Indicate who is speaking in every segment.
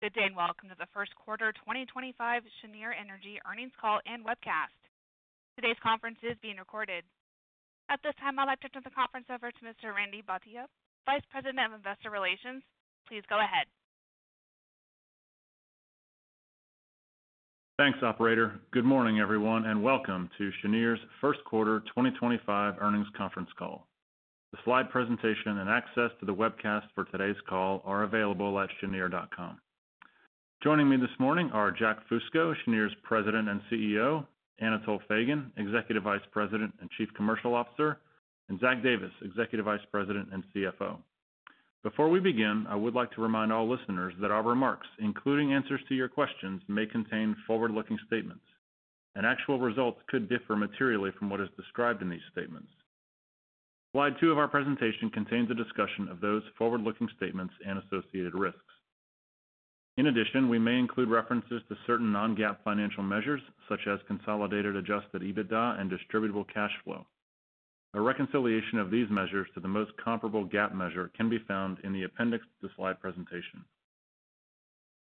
Speaker 1: Good day and welcome to the first quarter 2025 Cheniere Energy earnings call and webcast. Today's conference is being recorded. At this time, I'd like to turn the conference over to Mr. Randy Bhatia, Vice President of Investor Relations. Please go ahead.
Speaker 2: Thanks, Operator. Good morning, everyone, and welcome to Cheniere's first quarter 2025 earnings conference call. The slide presentation and access to the webcast for today's call are available at cheniere.com. Joining me this morning are Jack Fusco, Cheniere's President and CEO, Anatol Feygin, Executive Vice President and Chief Commercial Officer, and Zach Davis, Executive Vice President and CFO. Before we begin, I would like to remind all listeners that our remarks, including answers to your questions, may contain forward-looking statements, and actual results could differ materially from what is described in these statements. Slide 2 of our presentation contains a discussion of those forward-looking statements and associated risks. In addition, we may include references to certain non-GAAP financial measures, such as consolidated adjusted EBITDA and distributable cash flow. A reconciliation of these measures to the most comparable GAAP measure can be found in the appendix to the slide presentation.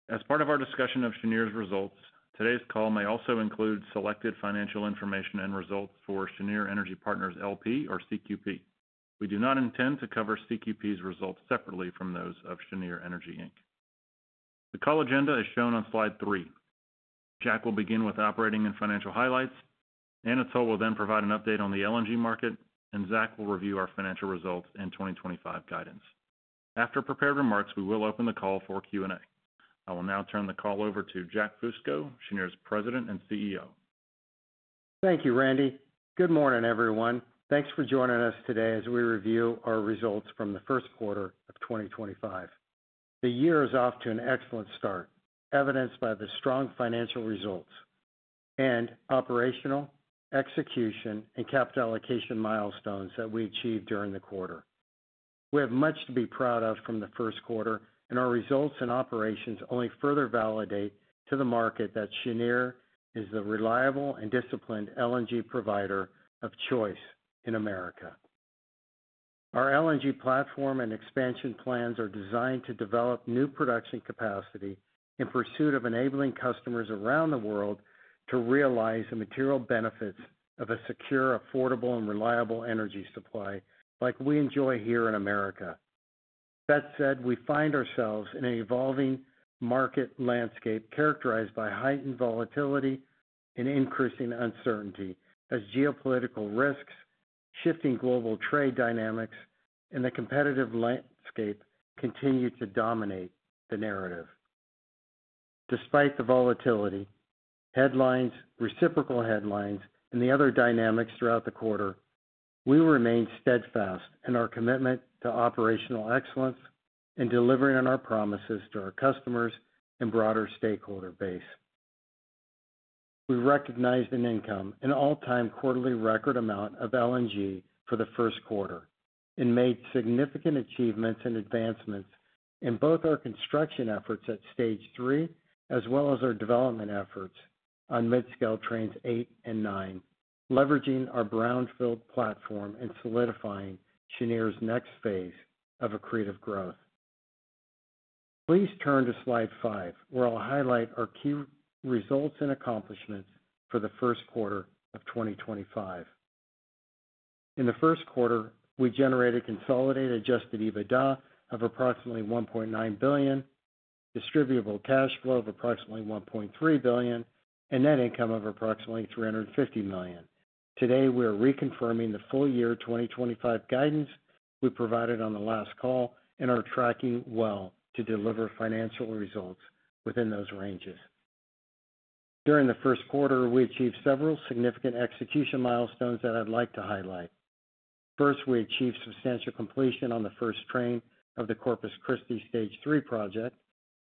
Speaker 2: As part of our discussion of Cheniere's results, today's call may also include selected financial information and results for Cheniere Energy Partners LP or CQP. We do not intend to cover CQP's results separately from those of Cheniere Energy Inc. The call agenda is shown on slide 3. Jack will begin with operating and financial highlights. Anatol will then provide an update on the LNG market, and Zach will review our financial results and 2025 guidance. After prepared remarks, we will open the call for Q&A. I will now turn the call over to Jack Fusco, Cheniere's President and CEO.
Speaker 3: Thank you, Randy. Good morning, everyone. Thanks for joining us today as we review our results from the first quarter of 2025. The year is off to an excellent start, evidenced by the strong financial results and operational, execution, and capital allocation milestones that we achieved during the quarter. We have much to be proud of from the first quarter, and our results and operations only further validate to the market that Cheniere is the reliable and disciplined LNG provider of choice in America. Our LNG platform and expansion plans are designed to develop new production capacity in pursuit of enabling customers around the world to realize the material benefits of a secure, affordable, and reliable energy supply like we enjoy here in America. That said, we find ourselves in an evolving market landscape characterized by heightened volatility and increasing uncertainty as geopolitical risks, shifting global trade dynamics, and the competitive landscape continue to dominate the narrative. Despite the volatility, headlines, reciprocal headlines, and the other dynamics throughout the quarter, we remain steadfast in our commitment to operational excellence and delivering on our promises to our customers and broader stakeholder base. We recognized an income, an all-time quarterly record amount of LNG for the first quarter, and made significant achievements and advancements in both our construction efforts at Stage 3 as well as our development efforts on Midscale Trains 8 and 9, leveraging our brownfield platform and solidifying Cheniere's next phase of accretive growth. Please turn to slide 5, where I'll highlight our key results and accomplishments for the first quarter of 2025. In the first quarter, we generated consolidated Adjusted EBITDA of approximately $1.9 billion, distributable cash flow of approximately $1.3 billion, and net income of approximately $350 million. Today, we are reconfirming the full year 2025 guidance we provided on the last call and are tracking well to deliver financial results within those ranges. During the first quarter, we achieved several significant execution milestones that I'd like to highlight. First, we achieved substantial completion on the first train of the Corpus Christi Stage 3 project,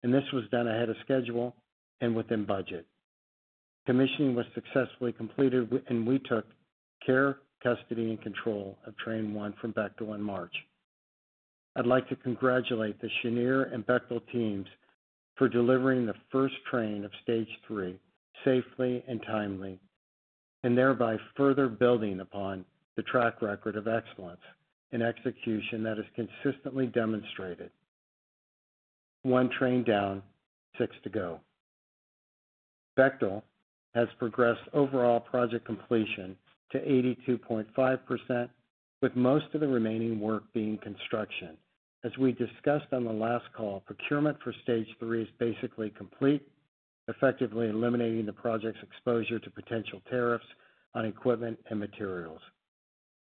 Speaker 3: and this was done ahead of schedule and within budget. Commissioning was successfully completed, and we took care, custody, and control of Train 1 from Bechtel in March. I'd like to congratulate the Cheniere and Bechtel teams for delivering the first train of Stage 3 safely and timely, and thereby further building upon the track record of excellence and execution that is consistently demonstrated. One train down, six to go. Bechtel has progressed overall project completion to 82.5%, with most of the remaining work being construction. As we discussed on the last call, procurement for stage 3 is basically complete, effectively eliminating the project's exposure to potential tariffs on equipment and materials.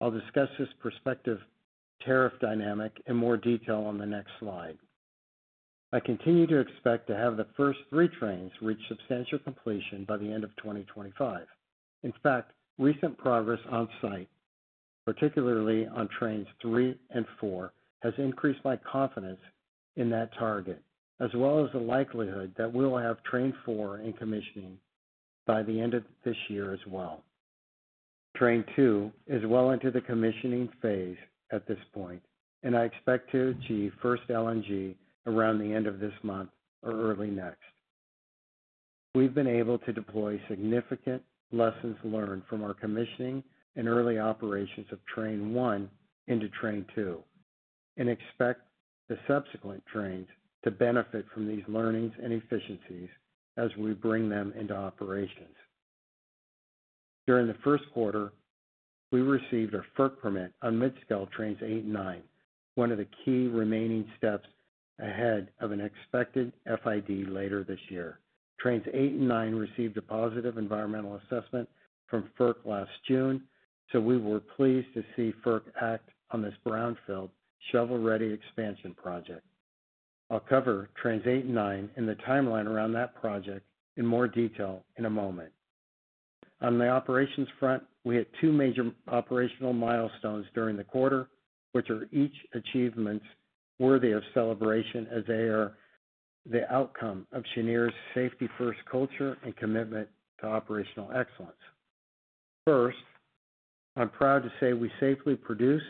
Speaker 3: I'll discuss this prospective tariff dynamic in more detail on the next slide. I continue to expect to have the first three trains reach substantial completion by the end of 2025. In fact, recent progress on site, particularly on Trains 3 and 4, has increased my confidence in that target, as well as the likelihood that we will have Train 4 in commissioning by the end of this year as well. Train 2 is well into the commissioning phase at this point, and I expect to achieve first LNG around the end of this month or early next. We've been able to deploy significant lessons learned from our commissioning and early operations of Train 1 into Train 2, and expect the subsequent Trains to benefit from these learnings and efficiencies as we bring them into operations. During the first quarter, we received a FERC permit on Midscale Trains 8 and 9, one of the key remaining steps ahead of an expected FID later this year. Trains 8 and 9 received a positive environmental assessment from FERC last June, so we were pleased to see FERC act on this brownfield shovel-ready expansion project. I'll cover Trains 8 and 9 and the timeline around that project in more detail in a moment. On the operations front, we had two major operational milestones during the quarter, which are each achievements worthy of celebration as they are the outcome of Cheniere's safety-first culture and commitment to operational excellence. First, I'm proud to say we safely produced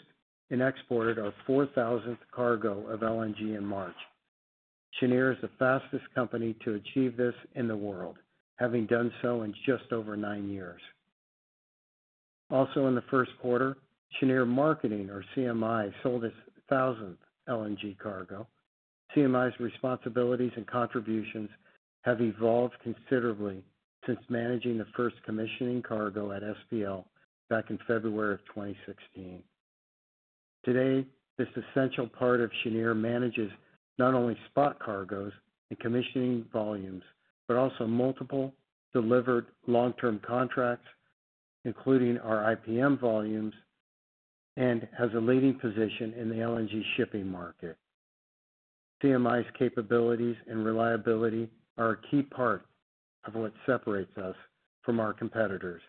Speaker 3: and exported our 4,000th cargo of LNG in March. Cheniere is the fastest company to achieve this in the world, having done so in just over nine years. Also, in the first quarter, Cheniere Marketing, or CMI, sold its 1,000th LNG cargo. CMI's responsibilities and contributions have evolved considerably since managing the first commissioning cargo at SPL back in February of 2016. Today, this essential part of Cheniere manages not only spot cargos and commissioning volumes but also multiple delivered long-term contracts, including our IPM volumes, and has a leading position in the LNG shipping market. CMI's capabilities and reliability are a key part of what separates us from our competitors,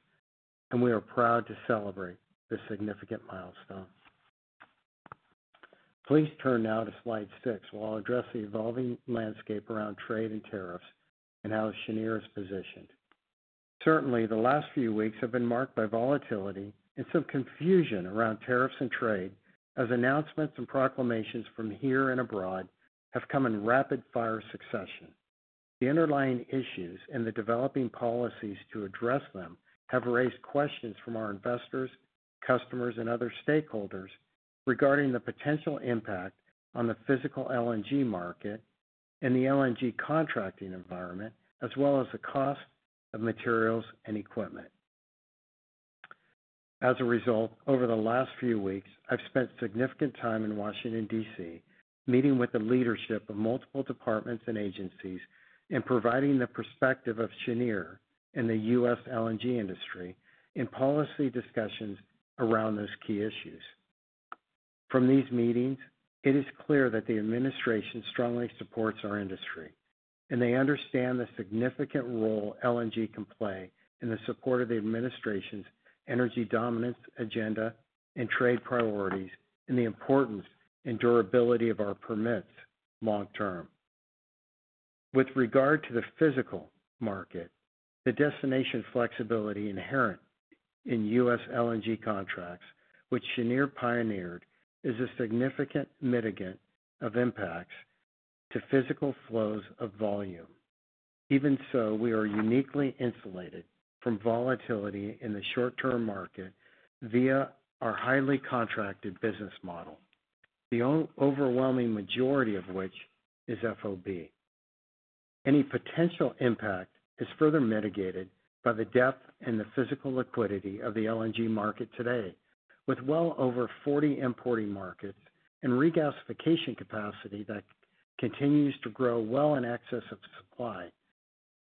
Speaker 3: and we are proud to celebrate this significant milestone. Please turn now to slide 6 while I address the evolving landscape around trade and tariffs and how Cheniere is positioned. Certainly, the last few weeks have been marked by volatility and some confusion around tariffs and trade as announcements and proclamations from here and abroad have come in rapid-fire succession. The underlying issues and the developing policies to address them have raised questions from our investors, customers, and other stakeholders regarding the potential impact on the physical LNG market and the LNG contracting environment, as well as the cost of materials and equipment. As a result, over the last few weeks, I've spent significant time in Washington, D.C., meeting with the leadership of multiple departments and agencies and providing the perspective of Cheniere and the U.S. LNG industry in policy discussions around those key issues. From these meetings, it is clear that the administration strongly supports our industry, and they understand the significant role LNG can play in the support of the administration's energy dominance agenda and trade priorities and the importance and durability of our permits long-term. With regard to the physical market, the destination flexibility inherent in U.S. LNG contracts, which Cheniere pioneered, is a significant mitigant of impacts to physical flows of volume. Even so, we are uniquely insulated from volatility in the short-term market via our highly contracted business model, the overwhelming majority of which is FOB. Any potential impact is further mitigated by the depth and the physical liquidity of the LNG market today. With well over 40 importing markets and regasification capacity that continues to grow well in excess of supply,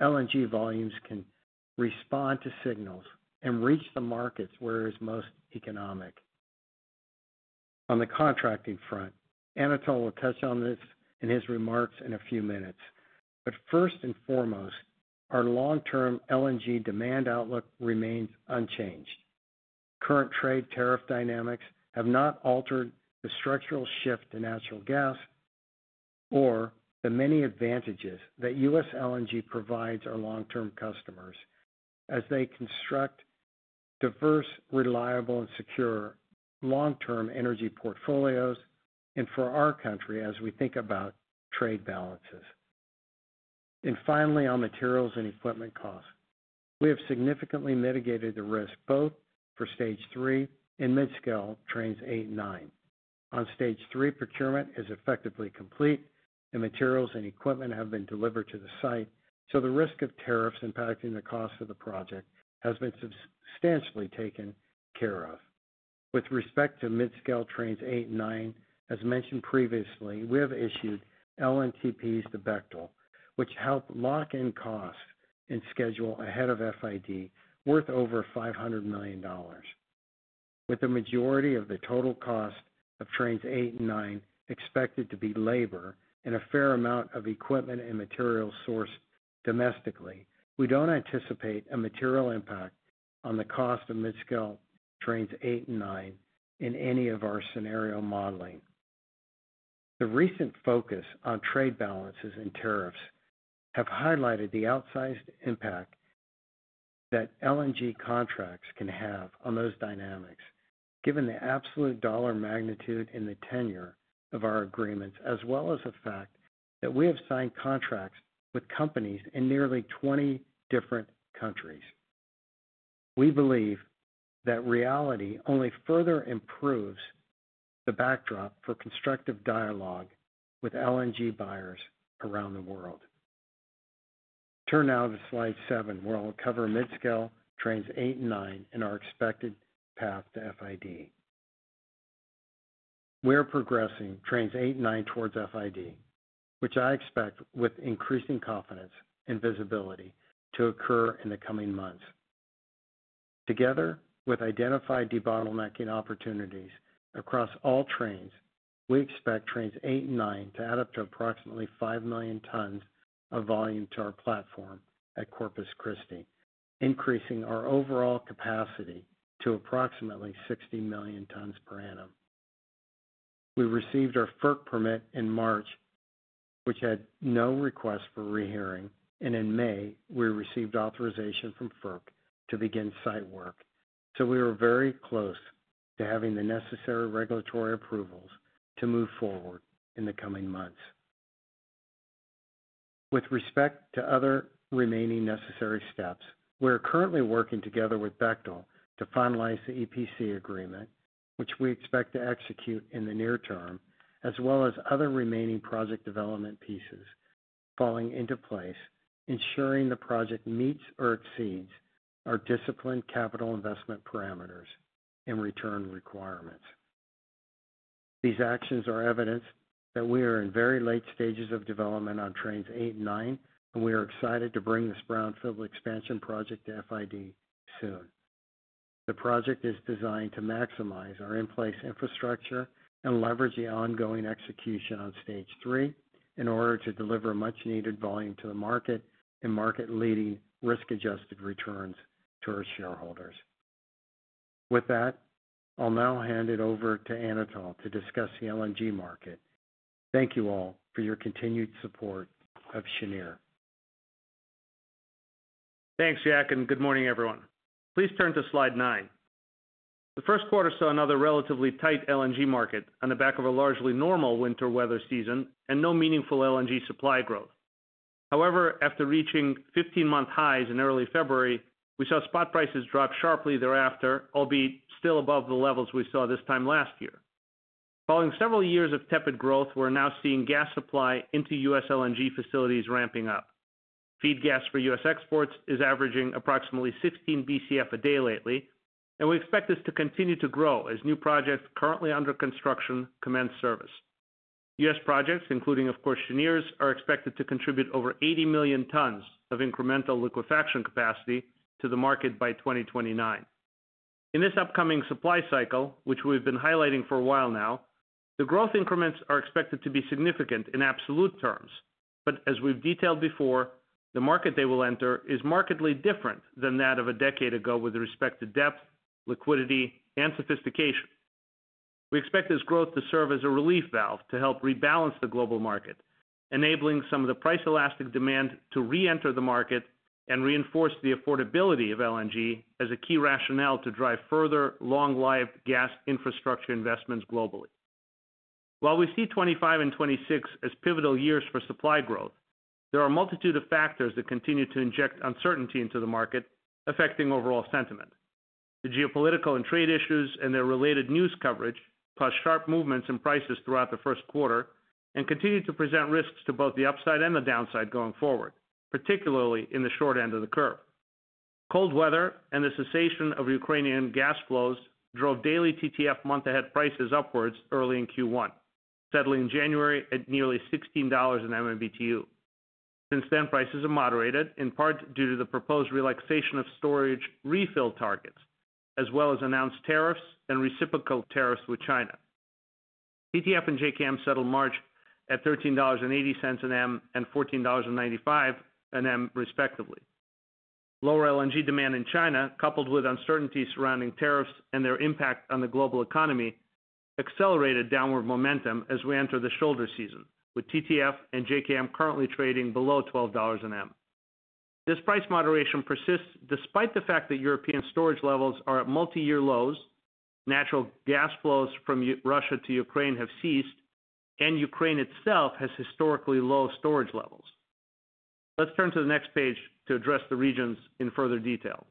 Speaker 3: LNG volumes can respond to signals and reach the markets where it is most economic. On the contracting front, Anatol will touch on this in his remarks in a few minutes, but first and foremost, our long-term LNG demand outlook remains unchanged. Current trade tariff dynamics have not altered the structural shift to natural gas or the many advantages that U.S. LNG provides our long-term customers as they construct diverse, reliable, and secure long-term energy portfolios and for our country as we think about trade balances. And finally, on materials and equipment costs, we have significantly mitigated the risk both for Stage 3 and Midscale Trains 8 and 9. On Stage 3, procurement is effectively complete, and materials and equipment have been delivered to the site, so the risk of tariffs impacting the cost of the project has been substantially taken care of. With respect to Mid-scale Trains 8 and 9, as mentioned previously, we have issued LNTPs to Bechtel, which help lock in costs and schedule ahead of FID worth over $500 million. With the majority of the total cost of Trains 8 and 9 expected to be labor and a fair amount of equipment and materials sourced domestically, we don't anticipate a material impact on the cost of Midscale Trains 8 and 9 in any of our scenario modeling. The recent focus on trade balances and tariffs has highlighted the outsized impact that LNG contracts can have on those dynamics, given the absolute dollar magnitude and the tenure of our agreements, as well as the fact that we have signed contracts with companies in nearly 20 different countries. We believe that reality only further improves the backdrop for constructive dialogue with LNG buyers around the world. Turn now to slide 7, where I'll cover Mid-scale Trains 8 and 9 and our expected path to FID. We are progressing Trains 8 and 9 towards FID, which I expect, with increasing confidence and visibility, to occur in the coming months. Together with identified debottlenecking opportunities across all trains, we expect Trains 8 and 9 to add up to approximately five million tons of volume to our platform at Corpus Christi, increasing our overall capacity to approximately 60 million tons per annum. We received our FERC permit in March, which had no request for rehearing, and in May, we received authorization from FERC to begin site work, so we are very close to having the necessary regulatory approvals to move forward in the coming months. With respect to other remaining necessary steps, we are currently working together with Bechtel to finalize the EPC agreement, which we expect to execute in the near term, as well as other remaining project development pieces falling into place, ensuring the project meets or exceeds our disciplined capital investment parameters and return requirements. These actions are evidence that we are in very late stages of development on trains 8 and 9, and we are excited to bring this brownfield expansion project to FID soon. The project is designed to maximize our in-place infrastructure and leverage the ongoing execution on stage 3 in order to deliver much-needed volume to the market and market-leading risk-adjusted returns to our shareholders. With that, I'll now hand it over to Anatol to discuss the LNG market. Thank you all for your continued support of Cheniere. Thanks, Jack, and good morning, everyone. Please turn to slide 9. The first quarter saw another relatively tight LNG market on the back of a largely normal winter weather season and no meaningful LNG supply growth. However, after reaching 15-month highs in early February, we saw spot prices drop sharply thereafter, albeit still above the levels we saw this time last year. Following several years of tepid growth, we're now seeing gas supply into U.S. LNG facilities ramping up. Feed gas for U.S. exports is averaging approximately 16 BCF a day lately, and we expect this to continue to grow as new projects currently under construction commence service. U.S. projects, including, of course, Cheniere's, are expected to contribute over 80 million tons of incremental liquefaction capacity to the market by 2029. In this upcoming supply cycle, which we've been highlighting for a while now, the growth increments are expected to be significant in absolute terms, but as we've detailed before, the market they will enter is markedly different than that of a decade ago with respect to depth, liquidity, and sophistication. We expect this growth to serve as a relief valve to help rebalance the global market, enabling some of the price-elastic demand to re-enter the market and reinforce the affordability of LNG as a key rationale to drive further long-lived gas infrastructure investments globally. While we see 2025 and 2026 as pivotal years for supply growth, there are a multitude of factors that continue to inject uncertainty into the market, affecting overall sentiment. The geopolitical and trade issues and their related news coverage, plus sharp movements in prices throughout the first quarter, continue to present risks to both the upside and the downside going forward, particularly in the short end of the curve. Cold weather and the cessation of Ukrainian gas flows drove daily TTF month-ahead prices upwards early in Q1, settling in January at nearly $16 an MMBtu. Since then, prices have moderated, in part due to the proposed relaxation of storage refill targets, as well as announced tariffs and reciprocal tariffs with China. TTF and JKM settled March at $13.80 an M and $14.95 an M, respectively. Lower LNG demand in China, coupled with uncertainty surrounding tariffs and their impact on the global economy, accelerated downward momentum as we enter the shoulder season, with TTF and JKM currently trading below $12 an M. This price moderation persists despite the fact that European storage levels are at multi-year lows, natural gas flows from Russia to Ukraine have ceased, and Ukraine itself has historically low storage levels. Let's turn to the next page to address the regions in further detail.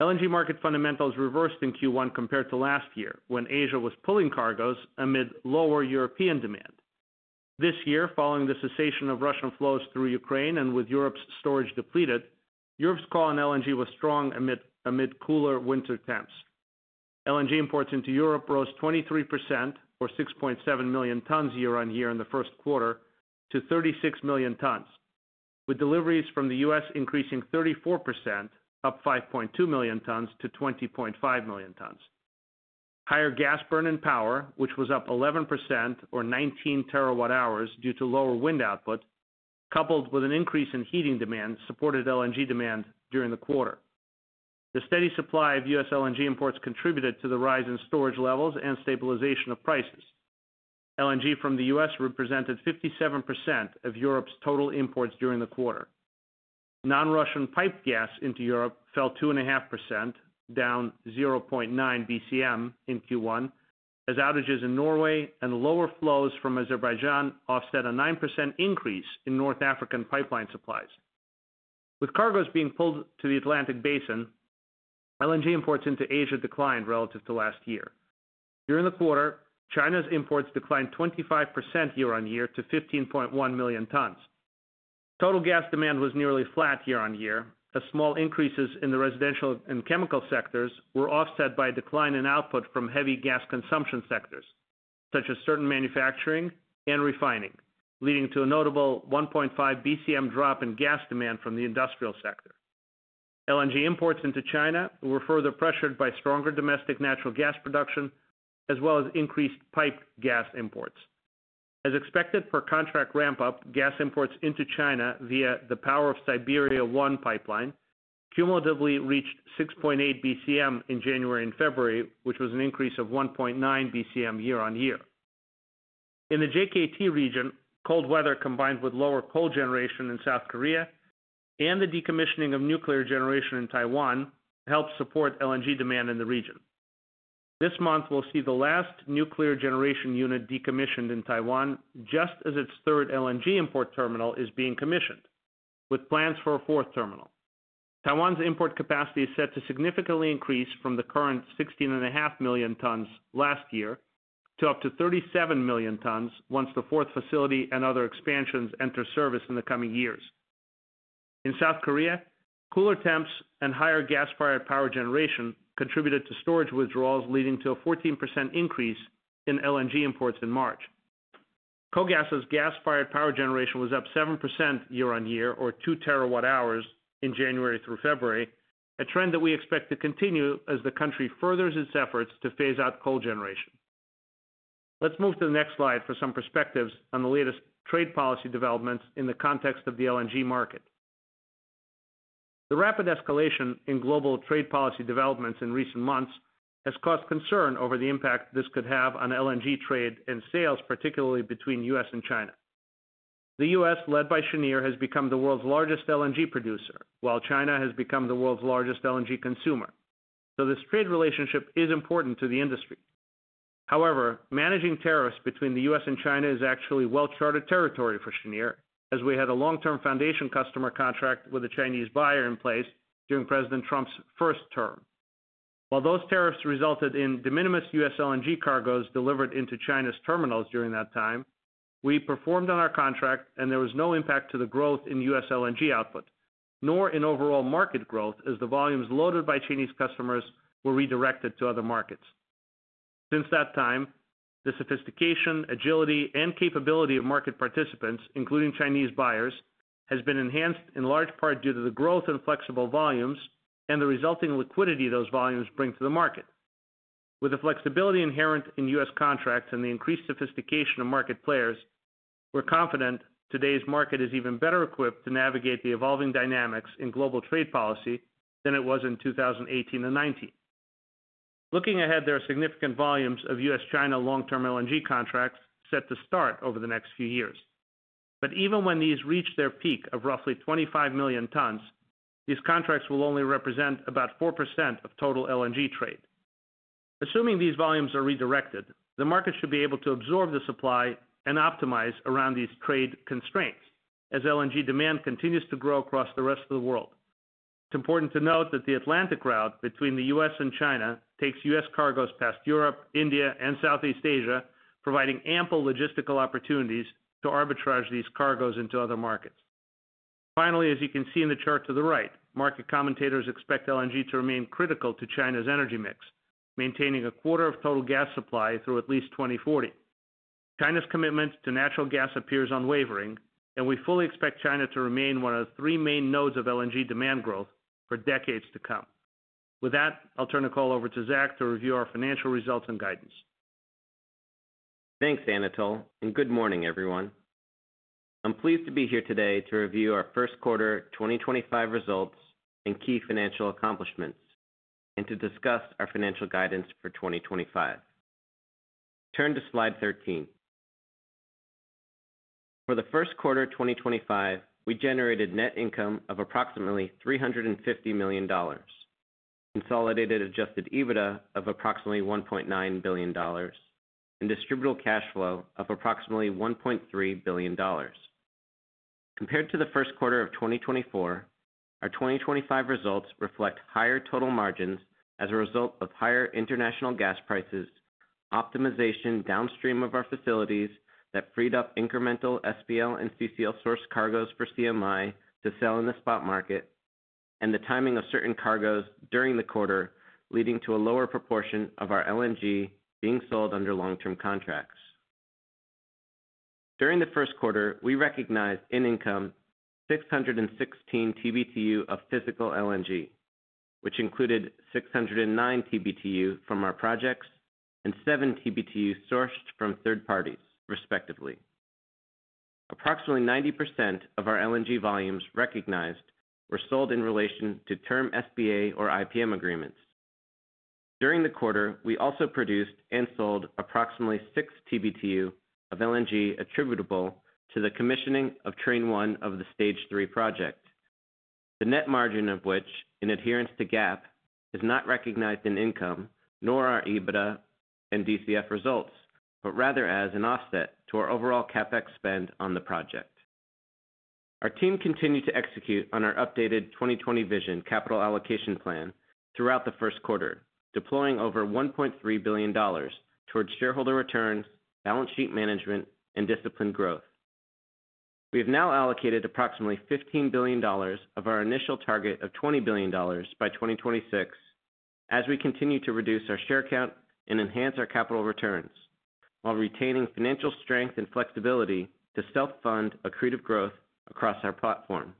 Speaker 3: LNG market fundamentals reversed in Q1 compared to last year, when Asia was pulling cargoes amid lower European demand. This year, following the cessation of Russian flows through Ukraine and with Europe's storage depleted, Europe's call on LNG was strong amid cooler winter temps. LNG imports into Europe rose 23%, or 6.7 million tons year-on-year in the first quarter, to 36 million tons, with deliveries from the U.S. increasing 34%, up 5.2 million tons, to 20.5 million tons. Higher gas burn and power, which was up 11%, or 19 terawatt-hours, due to lower wind output, coupled with an increase in heating demand, supported LNG demand during the quarter. The steady supply of U.S. LNG imports contributed to the rise in storage levels and stabilization of prices. LNG from the U.S. represented 57% of Europe's total imports during the quarter. Non-Russian piped gas into Europe fell 2.5%, down 0.9 BCM in Q1, as outages in Norway and lower flows from Azerbaijan offset a 9% increase in North African pipeline supplies. With cargoes being pulled to the Atlantic Basin, LNG imports into Asia declined relative to last year. During the quarter, China's imports declined 25% year-on-year to 15.1 million tons. Total gas demand was nearly flat year-on-year, as small increases in the residential and chemical sectors were offset by a decline in output from heavy gas consumption sectors, such as certain manufacturing and refining, leading to a notable 1.5 BCM drop in gas demand from the industrial sector. LNG imports into China were further pressured by stronger domestic natural gas production, as well as increased piped gas imports. As expected per contract ramp-up, gas imports into China via the Power of Siberia 1 pipeline cumulatively reached 6.8 BCM in January and February, which was an increase of 1.9 BCM year-on-year. In the JKM region, cold weather combined with lower coal generation in South Korea and the decommissioning of nuclear generation in Taiwan helped support LNG demand in the region. This month, we'll see the last nuclear generation unit decommissioned in Taiwan, just as its third LNG import terminal is being commissioned, with plans for a fourth terminal. Taiwan's import capacity is set to significantly increase from the current 16.5 million tons last year to up to 37 million tons once the fourth facility and other expansions enter service in the coming years. In South Korea, cooler temps and higher gas-fired power generation contributed to storage withdrawals, leading to a 14% increase in LNG imports in March. KOGAS's gas-fired power generation was up 7% year-on-year, or 2 terawatt-hours, in January through February, a trend that we expect to continue as the country furthers its efforts to phase out coal generation. Let's move to the next slide for some perspectives on the latest trade policy developments in the context of the LNG market. The rapid escalation in global trade policy developments in recent months has caused concern over the impact this could have on LNG trade and sales, particularly between U.S. and China. The U.S., led by Cheniere, has become the world's largest LNG producer, while China has become the world's largest LNG consumer, so this trade relationship is important to the industry. However, managing tariffs between the U.S. and China is actually well-charted territory for Cheniere, as we had a long-term foundation customer contract with a Chinese buyer in place during President Trump's first term. While those tariffs resulted in de minimis U.S. LNG cargoes delivered into China's terminals during that time, we performed on our contract, and there was no impact to the growth in U.S. LNG output, nor in overall market growth, as the volumes loaded by Chinese customers were redirected to other markets. Since that time, the sophistication, agility, and capability of market participants, including Chinese buyers, has been enhanced in large part due to the growth in flexible volumes and the resulting liquidity those volumes bring to the market. With the flexibility inherent in U.S. contracts and the increased sophistication of market players, we're confident today's market is even better equipped to navigate the evolving dynamics in global trade policy than it was in 2018 and 2019. Looking ahead, there are significant volumes of U.S.-China long-term LNG contracts set to start over the next few years, but even when these reach their peak of roughly 25 million tons, these contracts will only represent about 4% of total LNG trade. Assuming these volumes are redirected, the market should be able to absorb the supply and optimize around these trade constraints as LNG demand continues to grow across the rest of the world. It's important to note that the Atlantic route between the U.S. and China takes U.S. cargoes past Europe, India, and Southeast Asia, providing ample logistical opportunities to arbitrage these cargoes into other markets. Finally, as you can see in the chart to the right, market commentators expect LNG to remain critical to China's energy mix, maintaining a quarter of total gas supply through at least 2040. China's commitment to natural gas appears unwavering, and we fully expect China to remain one of the three main nodes of LNG demand growth for decades to come. With that, I'll turn the call over to Zach to review our financial results and guidance. Thanks, Anatol, and good morning, everyone. I'm pleased to be here today to review our first quarter 2025 results and key financial accomplishments, and to discuss our financial guidance for 2025. Turn to slide 13. For the first quarter 2025, we generated net income of approximately $350 million, consolidated Adjusted EBITDA of approximately $1.9 billion, and distributable cash flow of approximately $1.3 billion. Compared to the first quarter of 2024, our 2025 results reflect higher total margins as a result of higher international gas prices, optimization downstream of our facilities that freed up incremental SPL and CCL source cargoes for CMI to sell in the spot market, and the timing of certain cargoes during the quarter, leading to a lower proportion of our LNG being sold under long-term contracts. During the first quarter, we recognized in income 616 MMBtu of physical LNG, which included 609 MMBtu from our projects and 7 MMBtu sourced from third parties, respectively. Approximately 90% of our LNG volumes recognized were sold in relation to term SPA or IPM agreements. During the quarter, we also produced and sold approximately 6 TBTU of LNG attributable to the commissioning of Train 4 of the Stage 3 project, the net margin of which, in adherence to GAAP, is not recognized in income, nor our EBITDA and DCF results, but rather as an offset to our overall CapEx spend on the project. Our team continued to execute on our updated 20/20 Vision Capital Allocation Plan throughout the first quarter, deploying over $1.3 billion towards shareholder returns, balance sheet management, and disciplined growth. We have now allocated approximately $15 billion of our initial target of $20 billion by 2026, as we continue to reduce our share count and enhance our capital returns, while retaining financial strength and flexibility to self-fund accretive growth across our platform,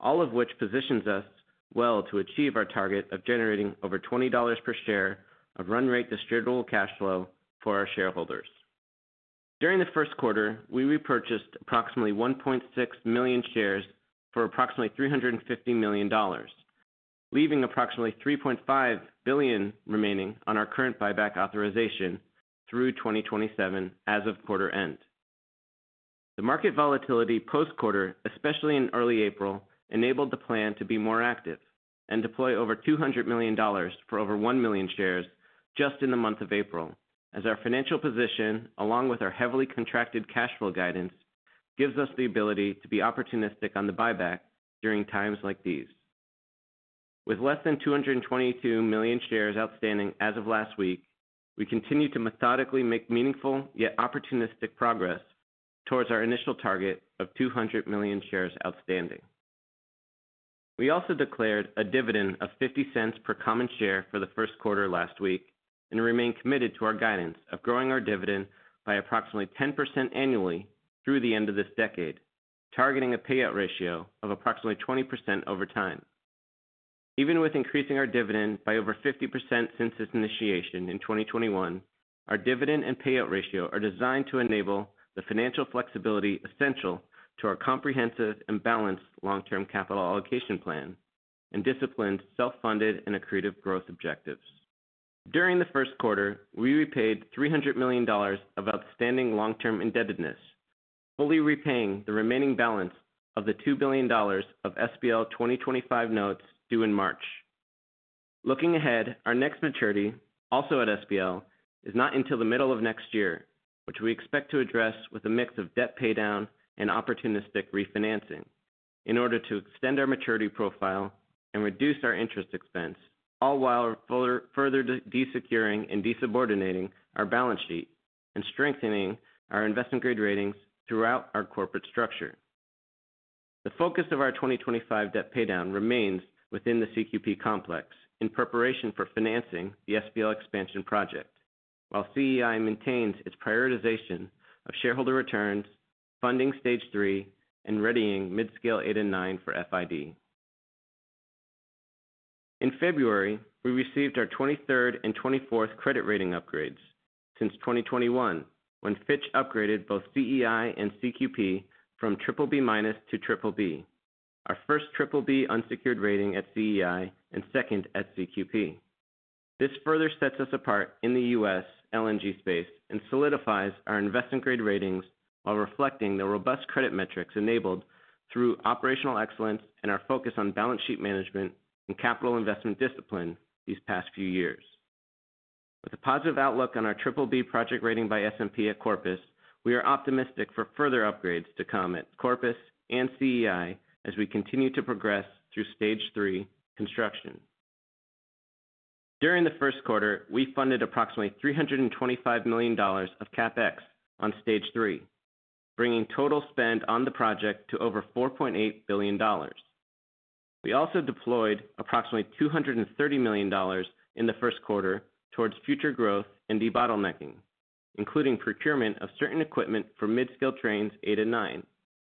Speaker 3: all of which positions us well to achieve our target of generating over $20 per share of run-rate distributable cash flow for our shareholders. During the first quarter, we repurchased approximately 1.6 million shares for approximately $350 million, leaving approximately $3.5 billion remaining on our current buyback authorization through 2027 as of quarter end. The market volatility post-quarter, especially in early April, enabled the plan to be more active and deploy over $200 million for over one million shares just in the month of April, as our financial position, along with our heavily contracted cash flow guidance, gives us the ability to be opportunistic on the buyback during times like these. With less than 222 million shares outstanding as of last week, we continue to methodically make meaningful yet opportunistic progress towards our initial target of 200 million shares outstanding. We also declared a dividend of $0.50 per common share for the first quarter last week and remain committed to our guidance of growing our dividend by approximately 10% annually through the end of this decade, targeting a payout ratio of approximately 20% over time. Even with increasing our dividend by over 50% since its initiation in 2021, our dividend and payout ratio are designed to enable the financial flexibility essential to our comprehensive and balanced long-term capital allocation plan and disciplined self-funded and accretive growth objectives. During the first quarter, we repaid $300 million of outstanding long-term indebtedness, fully repaying the remaining balance of the $2 billion of SPL 2025 notes due in March. Looking ahead, our next maturity, also at SPL, is not until the middle of next year, which we expect to address with a mix of debt paydown and opportunistic refinancing in order to extend our maturity profile and reduce our interest expense, all while further deleveraging and desubordinating our balance sheet and strengthening our investment-grade ratings throughout our corporate structure. The focus of our 2025 debt paydown remains within the CQP complex in preparation for financing the SPL expansion project, while CEI maintains its prioritization of shareholder returns, funding stage three, and readying Midscale 8 and 9 for FID. In February, we received our 23rd and 24th credit rating upgrades since 2021, when Fitch upgraded both CEI and CQP from BBB- to BBB, our first BBB unsecured rating at CEI and second at CQP. This further sets us apart in the U.S. LNG space and solidifies our investment-grade ratings while reflecting the robust credit metrics enabled through operational excellence and our focus on balance sheet management and capital investment discipline these past few years. With a positive outlook on our BBB project rating by S&P at Corpus, we are optimistic for further upgrades to come at Corpus and CEI as we continue to progress through Stage 3 construction. During the first quarter, we funded approximately $325 million of CapEx on Stage 3, bringing total spend on the project to over $4.8 billion. We also deployed approximately $230 million in the first quarter towards future growth and debottlenecking, including procurement of certain equipment for mid-scale Trains 8 and 9,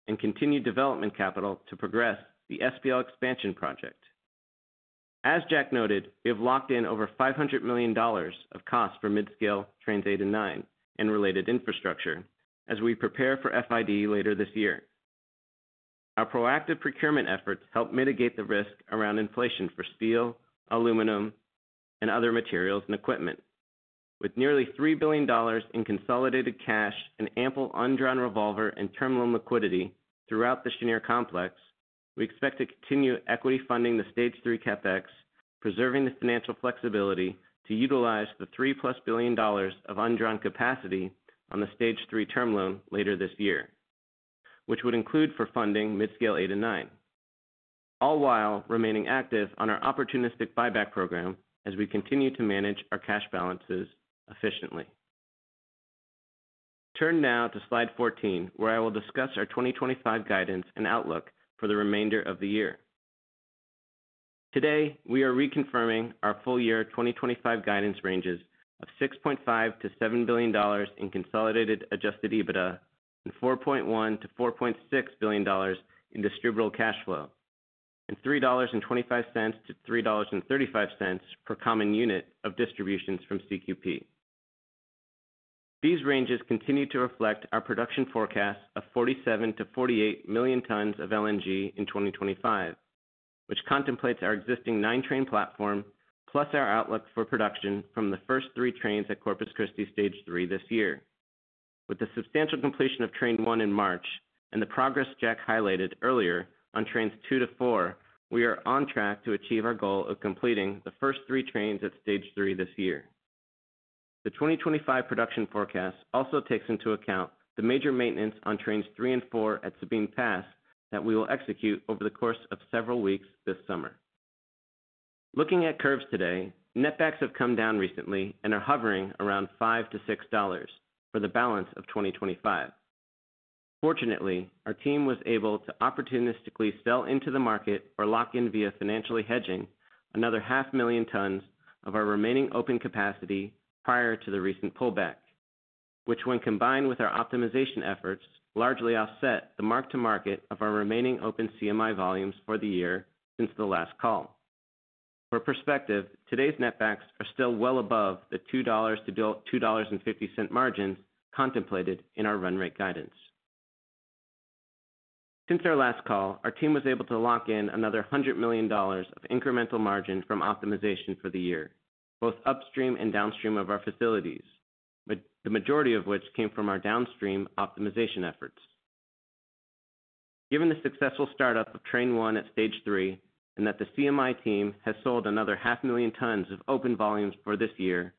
Speaker 3: and continued development capital to progress the SPL expansion project. As Jack noted, we have locked in over $500 million of costs for mid-scale Trains 8 and 9 and related infrastructure as we prepare for FID later this year. Our proactive procurement efforts help mitigate the risk around inflation for steel, aluminum, and other materials and equipment. With nearly $3 billion in consolidated cash and ample undrawn revolver and term loan liquidity throughout the Cheniere complex, we expect to continue equity funding the Stage 3 CapEx, preserving the financial flexibility to utilize the $3 plus billion of undrawn capacity on the Stage 3 term loan later this year, which would include funding mid-scale eight and nine, all while remaining active on our opportunistic buyback program as we continue to manage our cash balances efficiently. Turn now to slide 14, where I will discuss our 2025 guidance and outlook for the remainder of the year. Today, we are reconfirming our full year 2025 guidance ranges of $6.5-$7 billion in consolidated adjusted EBITDA and $4.1-$4.6 billion in distributable cash flow and $3.25-$3.35 per common unit of distributions from CQP. These ranges continue to reflect our production forecast of 47-48 million tons of LNG in 2025, which contemplates our existing nine-train platform plus our outlook for production from the first three Trains at Corpus Christi Stage 3 this year. With the substantial completion of Train one in March and the progress Jack highlighted earlier on Trains 2 to 4, we are on track to achieve our goal of completing the first three Trains at Stage 3 this year. The 2025 production forecast also takes into account the major maintenance on Trains 3 and 4 at Sabine Pass that we will execute over the course of several weeks this summer. Looking at curves today, netbacks have come down recently and are hovering around $5-$6 for the balance of 2025. Fortunately, our team was able to opportunistically sell into the market or lock in via financially hedging another 500,000 tons of our remaining open capacity prior to the recent pullback, which, when combined with our optimization efforts, largely offset the mark-to-market of our remaining open CMI volumes for the year since the last call. For perspective, today's net backs are still well above the $2-$2.50 margins contemplated in our run-rate guidance. Since our last call, our team was able to lock in another $100 million of incremental margin from optimization for the year, both upstream and downstream of our facilities, the majority of which came from our downstream optimization efforts. Given the successful startup of train one at stage three and that the CMI team has sold another 500,000 tons of open volumes for this year,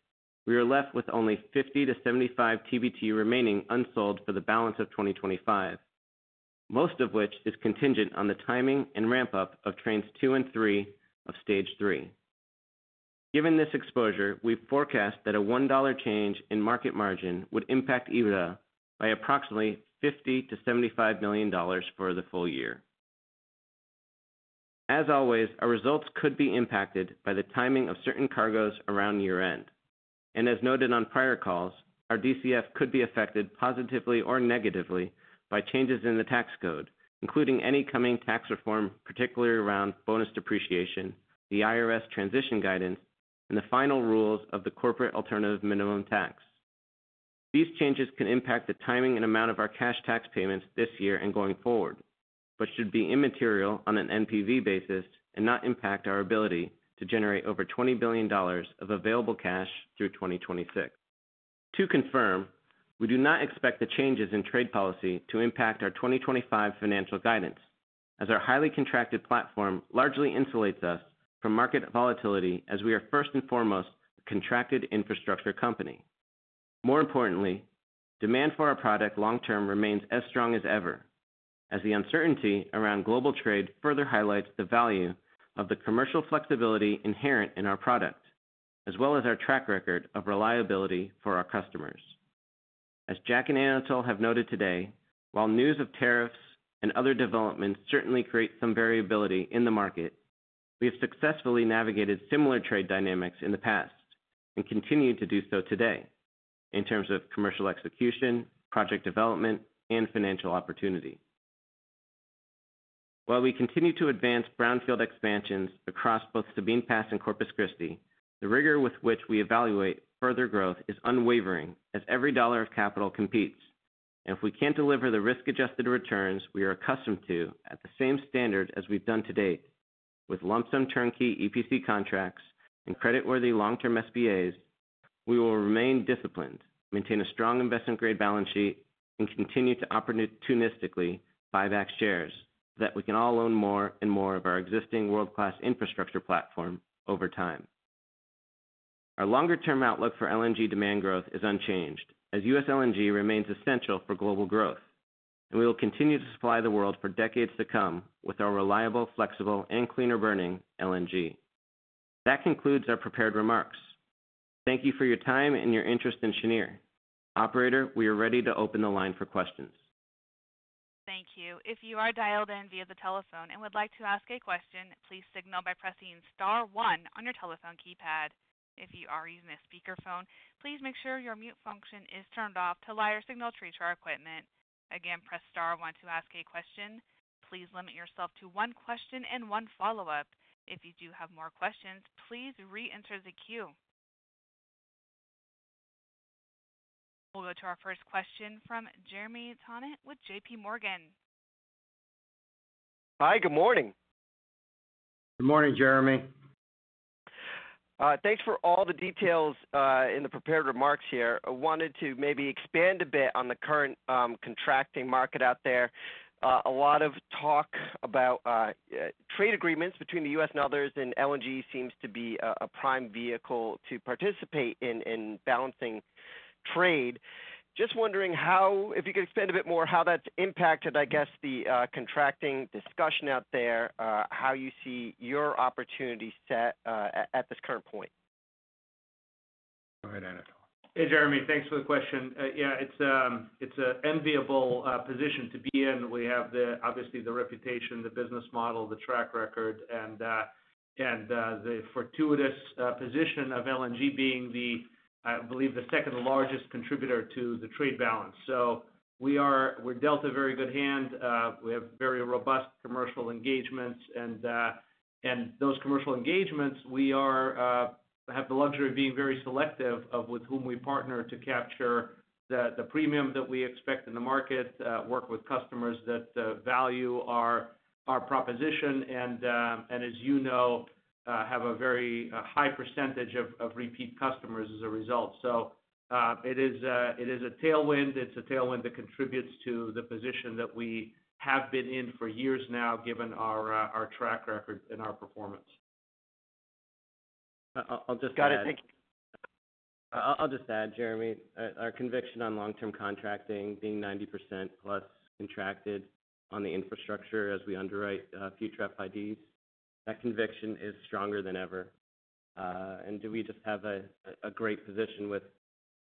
Speaker 3: we are left with only 50-75 TBTU remaining unsold for the balance of 2025, most of which is contingent on the timing and ramp-up of Trains 2 and 3 of stage three. Given this exposure, we forecast that a $1 change in market margin would impact EBITDA by approximately $50-$75 million for the full year. As always, our results could be impacted by the timing of certain cargoes around year-end, and as noted on prior calls, our DCF could be affected positively or negatively by changes in the tax code, including any coming tax reform, particularly around bonus depreciation, the IRS transition guidance, and the final rules of the corporate alternative minimum tax. These changes can impact the timing and amount of our cash tax payments this year and going forward, but should be immaterial on an NPV basis and not impact our ability to generate over $20 billion of available cash through 2026. To confirm, we do not expect the changes in trade policy to impact our 2025 financial guidance, as our highly contracted platform largely insulates us from market volatility as we are first and foremost a contracted infrastructure company. More importantly, demand for our product long-term remains as strong as ever, as the uncertainty around global trade further highlights the value of the commercial flexibility inherent in our product, as well as our track record of reliability for our customers. As Jack and Anatol have noted today, while news of tariffs and other developments certainly create some variability in the market, we have successfully navigated similar trade dynamics in the past and continue to do so today in terms of commercial execution, project development, and financial opportunity. While we continue to advance brownfield expansions across both Sabine Pass and Corpus Christi, the rigor with which we evaluate further growth is unwavering, as every dollar of capital competes, and if we can't deliver the risk-adjusted returns we are accustomed to at the same standard as we've done to date with lump-sum turnkey EPC contracts and creditworthy long-term SBAs, we will remain disciplined, maintain a strong investment-grade balance sheet, and continue to opportunistically buy back shares so that we can all own more and more of our existing world-class infrastructure platform over time. Our longer-term outlook for LNG demand growth is unchanged, as U.S. LNG remains essential for global growth, and we will continue to supply the world for decades to come with our reliable, flexible, and cleaner-burning LNG. That concludes our prepared remarks. Thank you for your time and your interest in Cheniere. Operator, we are ready to open the line for questions. Thank you. If you are dialed in via the telephone and would like to ask a question, please signal by pressing star one on your telephone keypad. If you are using a speakerphone, please make sure your mute function is turned off to allow your signal to reach our equipment. Again, press star one to ask a question. Please limit yourself to one question and one follow-up. If you do have more questions, please re-enter the queue. We'll go to our first question from Jeremy Tonet with J.P. Morgan. Hi, good morning. Good morning, Jeremy. Thanks for all the details in the prepared remarks here. I wanted to maybe expand a bit on the current contracting market out there. A lot of talk about trade agreements between the U.S. and others, and LNG seems to be a prime vehicle to participate in balancing trade. Just wondering how, if you could expand a bit more, how that's impacted, I guess, the contracting discussion out there, how you see your opportunity set at this current point. Go ahead, Anatol. Hey, Jeremy. Thanks for the question. Yeah, it's an enviable position to be in. We have obviously the reputation, the business model, the track record, and the fortuitous position of LNG being the, I believe, the second largest contributor to the trade balance. So we're dealt a very good hand. We have very robust commercial engagements. And those commercial engagements, we have the luxury of being very selective of with whom we partner to capture the premium that we expect in the market, work with customers that value our proposition, and, as you know, have a very high percentage of repeat customers as a result. So it is a tailwind. It's a tailwind that contributes to the position that we have been in for years now, given our track record and our performance. I'll just add, Jeremy. Got it. Thank you. I'll just add, Jeremy, our conviction on long-term contracting being 90% plus contracted on the infrastructure as we underwrite future FIDs, that conviction is stronger than ever. And we just have a great position with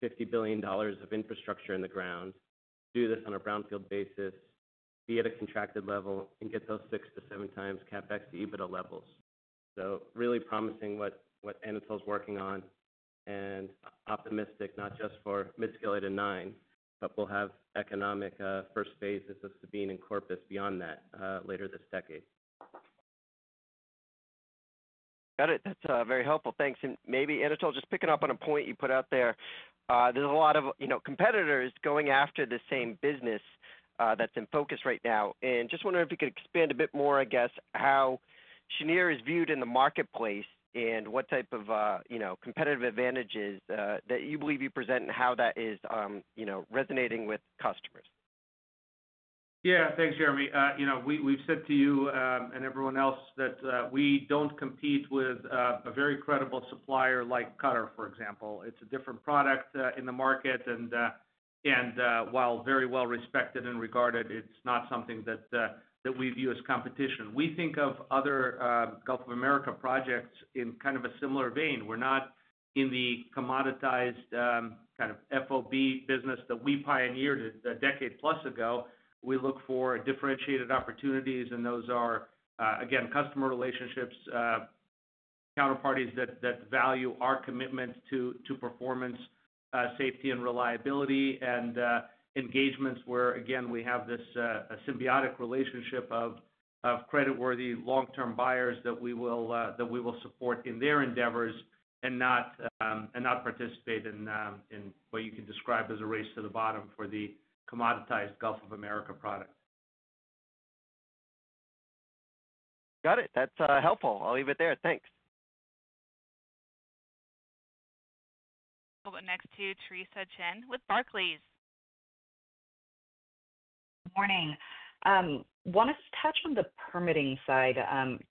Speaker 3: $50 billion of infrastructure in the ground, do this on a brownfield basis, be at a contracted level, and get those six to seven times CapEx to EBITDA levels. Really promising what Anatol's working on and optimistic, not just for mid-scale eight and nine, but we'll have economic first phases of Sabine and Corpus beyond that later this decade. Got it. That's very helpful. Thanks. Maybe, Anatol, just picking up on a point you put out there, there's a lot of competitors going after the same business that's in focus right now. Just wondering if you could expand a bit more, I guess, how Cheniere is viewed in the marketplace and what type of competitive advantages that you believe you present and how that is resonating with customers. Yeah. Thanks, Jeremy. We've said to you and everyone else that we don't compete with a very credible supplier like Qatar, for example. It's a different product in the market, and while very well respected and regarded, it's not something that we view as competition. We think of other U.S. Gulf Coast projects in kind of a similar vein. We're not in the commoditized kind of FOB business that we pioneered a decade-plus ago. We look for differentiated opportunities, and those are, again, customer relationships, counterparties that value our commitment to performance, safety, and reliability, and engagements where, again, we have this symbiotic relationship of creditworthy long-term buyers that we will support in their endeavors and not participate in what you can describe as a race to the bottom for the commoditized U.S. Gulf Coast product. Got it. That's helpful. I'll leave it there. Thanks. We'll go next to Teresa Chen with Barclays. Morning. I want to touch on the permitting side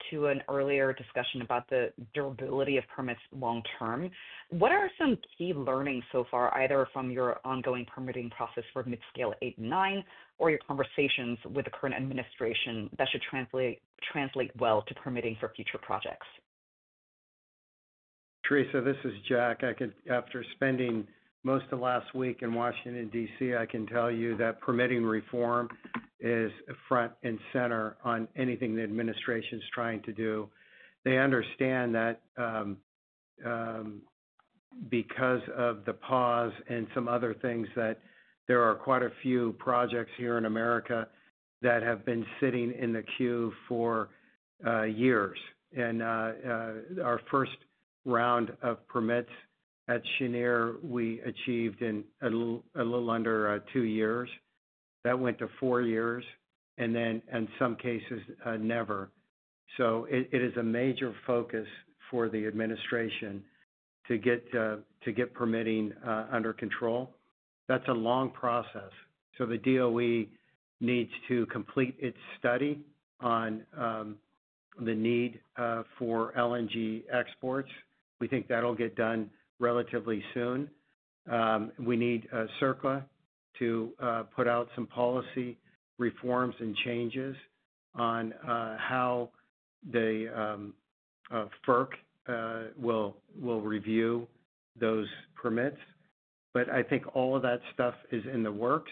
Speaker 3: to an earlier discussion about the durability of permits long-term. What are some key learnings so far, either from your ongoing permitting process for mid-scale eight and nine or your conversations with the current administration that should translate well to permitting for future projects? Teresa, this is Jack. After spending most of last week in Washington, D.C., I can tell you that permitting reform is front and center on anything the administration's trying to do. They understand that because of the pause and some other things, that there are quite a few projects here in America that have been sitting in the queue for years, and our first round of permits at Cheniere, we achieved in a little under two years. That went to four years, and then in some cases, never, so it is a major focus for the administration to get permitting under control. That's a long process. So the DOE needs to complete its study on the need for LNG exports. We think that'll get done relatively soon. We need CEQ to put out some policy reforms and changes on how the FERC will review those permits. But I think all of that stuff is in the works.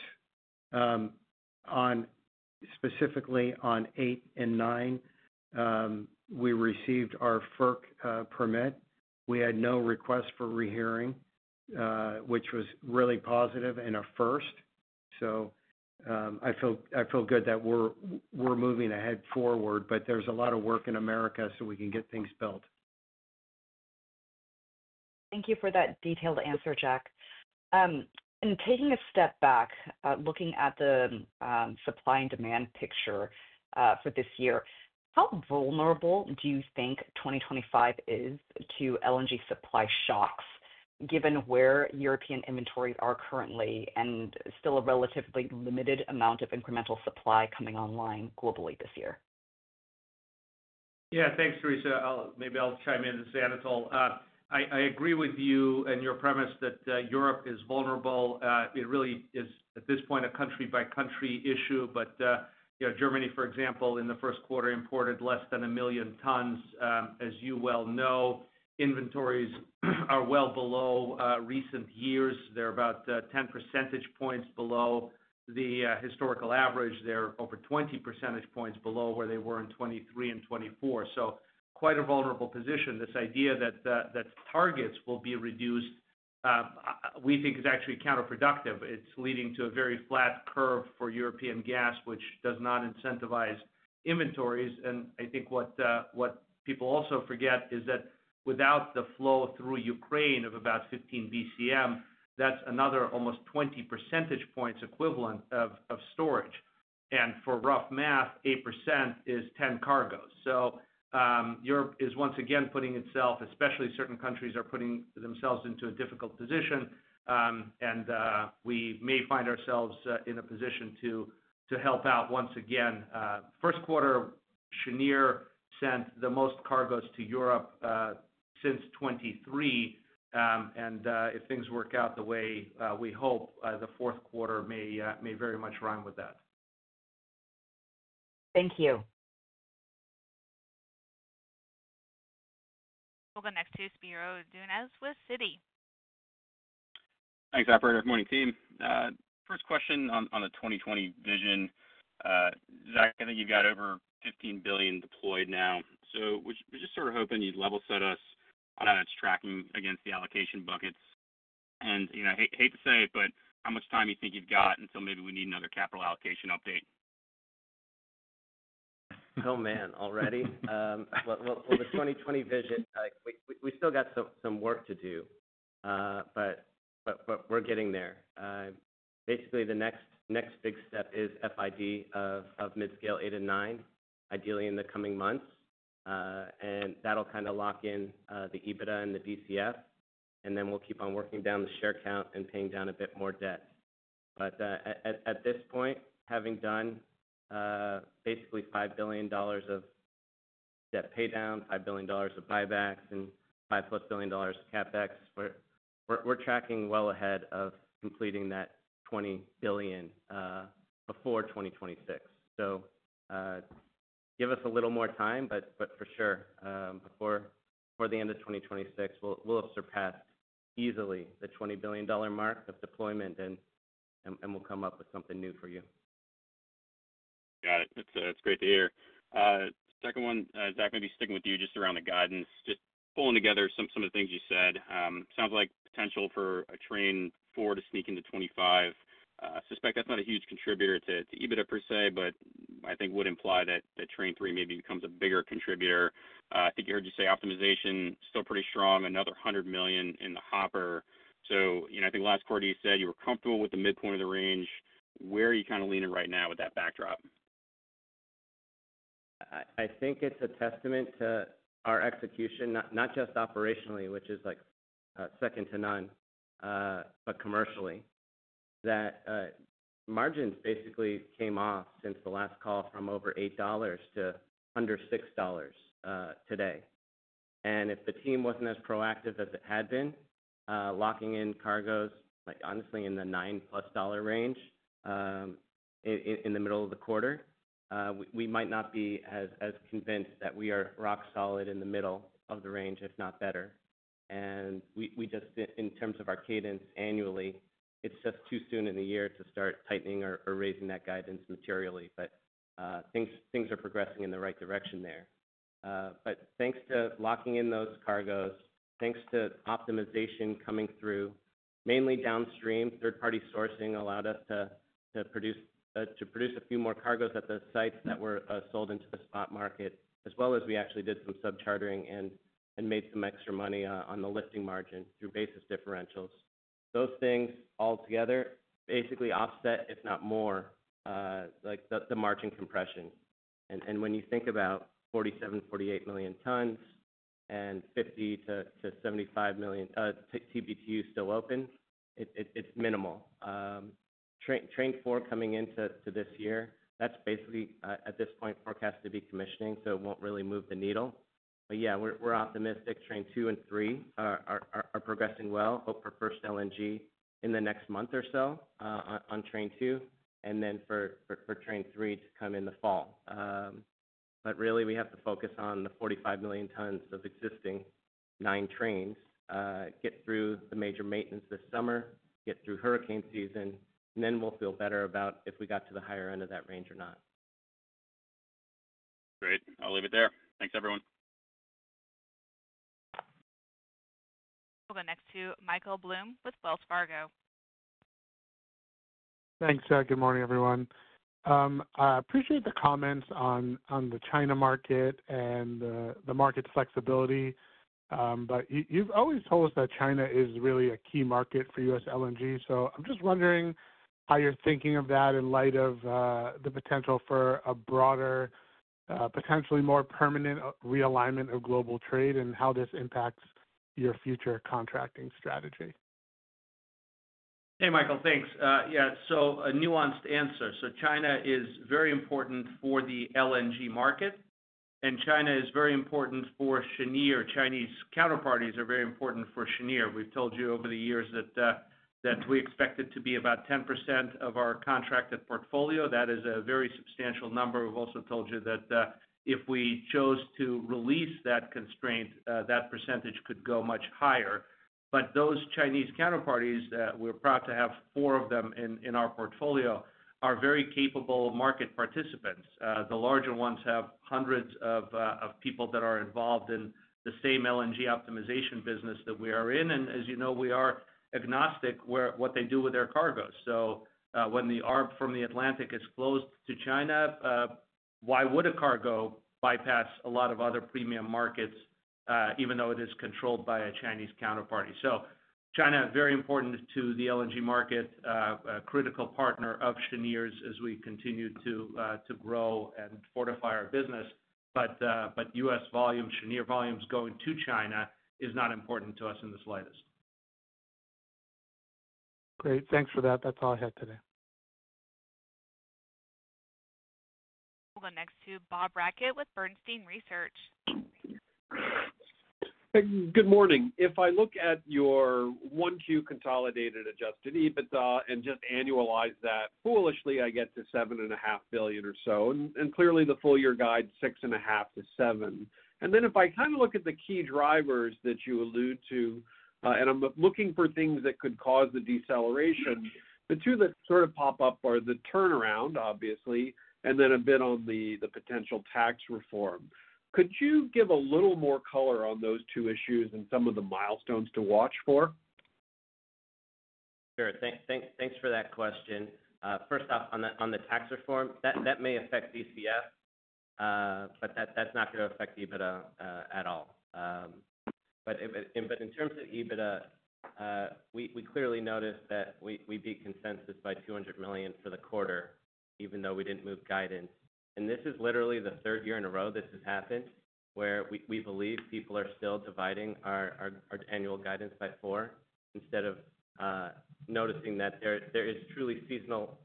Speaker 3: Specifically on eight and nine, we received our FERC permit. We had no request for rehearing, which was really positive and a first. So I feel good that we're moving ahead forward, but there's a lot of work in America so we can get things built. Thank you for that detailed answer, Jack. And taking a step back, looking at the supply and demand picture for this year, how vulnerable do you think 2025 is to LNG supply shocks, given where European inventories are currently and still a relatively limited amount of incremental supply coming online globally this year? Yeah. Thanks, Teresa. Maybe I'll chime in and say, Anatol, I agree with you and your premise that Europe is vulnerable. It really is, at this point, a country-by-country issue. But Germany, for example, in the first quarter imported less than a million tons. As you well know, inventories are well below recent years. They're about 10 percentage points below the historical average. They're over 20 percentage points below where they were in 2023 and 2024. So quite a vulnerable position. This idea that targets will be reduced, we think, is actually counterproductive. It's leading to a very flat curve for European gas, which does not incentivize inventories. And I think what people also forget is that without the flow through Ukraine of about 15 BCM, that's another almost 20 percentage points equivalent of storage. And for rough math, 8% is 10 cargoes. Europe is once again putting itself, especially certain countries are putting themselves into a difficult position. And we may find ourselves in a position to help out once again. First quarter, Cheniere sent the most cargoes to Europe since 2023. And if things work out the way we hope, the fourth quarter may very much rhyme with that. Thank you. We'll go next to Spiro Dounis with Citi. Thanks, Operator. Good morning, team. First question on the 2020 vision. Zach, I think you've got over $15 billion deployed now. So we're just sort of hoping you'd level set us on how it's tracking against the allocation buckets. And I hate to say it, but how much time do you think you've got until maybe we need another capital allocation update? Oh, man, already? Well, the 2020 vision, we still got some work to do, but we're getting there. Basically, the next big step is FID of mid-scale eight and nine, ideally in the coming months, and that'll kind of lock in the EBITDA and the DCF. And then we'll keep on working down the share count and paying down a bit more debt, but at this point, having done basically $5 billion of debt paydown, $5 billion of buybacks, and $5 plus billion of CapEx, we're tracking well ahead of completing that $20 billion before 2026, so give us a little more time, but for sure, before the end of 2026, we'll have surpassed easily the $20 billion mark of deployment, and we'll come up with something new for you. Got it. That's great to hear. Second one, Zach, maybe sticking with you just around the guidance, just pulling together some of the things you said. Sounds like potential for a Train 4 to sneak into 25. suspect that's not a huge contributor to EBITDA per se, but I think would imply that Train 3 maybe becomes a bigger contributor. I think you heard me say optimization still pretty strong, another $100 million in the hopper. So I think last quarter you said you were comfortable with the midpoint of the range. Where are you kind of leaning right now with that backdrop? I think it's a testament to our execution, not just operationally, which is second to none, but commercially, that margins basically came off since the last call from over $8 to under $6 today. And if the team wasn't as proactive as it had been, locking in cargoes, honestly, in the $9-plus dollar range in the middle of the quarter, we might not be as convinced that we are rock solid in the middle of the range, if not better. In terms of our cadence annually, it's just too soon in the year to start tightening or raising that guidance materially. Things are progressing in the right direction there. Thanks to locking in those cargoes, thanks to optimization coming through, mainly downstream, third-party sourcing allowed us to produce a few more cargoes at the sites that were sold into the spot market, as well as we actually did some subchartering and made some extra money on the lifting margin through basis differentials. Those things altogether basically offset, if not more, the margin compression. When you think about 47-48 million tons and 50-75 million TBTU still open, it's minimal. Train 4 coming into this year, that's basically, at this point, forecast to be commissioning, so it won't really move the needle. Yeah, we're optimistic. Train 2 and 3 are progressing well. Hope for first LNG in the next month or so on Train 2, and then for Train 3 to come in the fall. But really, we have to focus on the 45 million tons of existing nine trains, get through the major maintenance this summer, get through hurricane season, and then we'll feel better about if we got to the higher end of that range or not. Great. I'll leave it there. Thanks, everyone. We'll go next to Michael Blum with Wells Fargo. Thanks, Zach. Good morning, everyone. I appreciate the comments on the China market and the market flexibility. But you've always told us that China is really a key market for U.S. LNG. So I'm just wondering how you're thinking of that in light of the potential for a broader, potentially more permanent realignment of global trade and how this impacts your future contracting strategy. Hey, Michael, thanks. Yeah. So, a nuanced answer. So China is very important for the LNG market, and China is very important for Cheniere. Chinese counterparties are very important for Cheniere. We've told you over the years that we expect it to be about 10% of our contracted portfolio. That is a very substantial number. We've also told you that if we chose to release that constraint, that percentage could go much higher. But those Chinese counterparties that we're proud to have four of them in our portfolio are very capable market participants. The larger ones have hundreds of people that are involved in the same LNG optimization business that we are in. And as you know, we are agnostic where what they do with their cargoes. So when the arb from the Atlantic is closed to China, why would a cargo bypass a lot of other premium markets, even though it is controlled by a Chinese counterparty? So China, very important to the LNG market, critical partner of Cheniere's as we continue to grow and fortify our business. But U.S. volumes, Cheniere volumes going to China is not important to us in the slightest. Great. Thanks for that. That's all I had today. We'll go next to Bob Brackett with Bernstein Research. Good morning. If I look at your 1Q consolidated Adjusted EBITDA and just annualize that, foolishly, I get to $7.5 billion or so. And clearly, the full-year guide, $6.5-$7 billion. And then if I kind of look at the key drivers that you allude to, and I'm looking for things that could cause the deceleration, the two that sort of pop up are the turnaround, obviously, and then a bit on the potential tax reform. Could you give a little more color on those two issues and some of the milestones to watch for? Sure. Thanks for that question. First off, on the tax reform, that may affect DCF, but that's not going to affect EBITDA at all. But in terms of EBITDA, we clearly noticed that we beat consensus by $200 million for the quarter, even though we didn't move guidance. This is literally the third year in a row this has happened where we believe people are still dividing our annual guidance by four instead of noticing that there are truly seasonal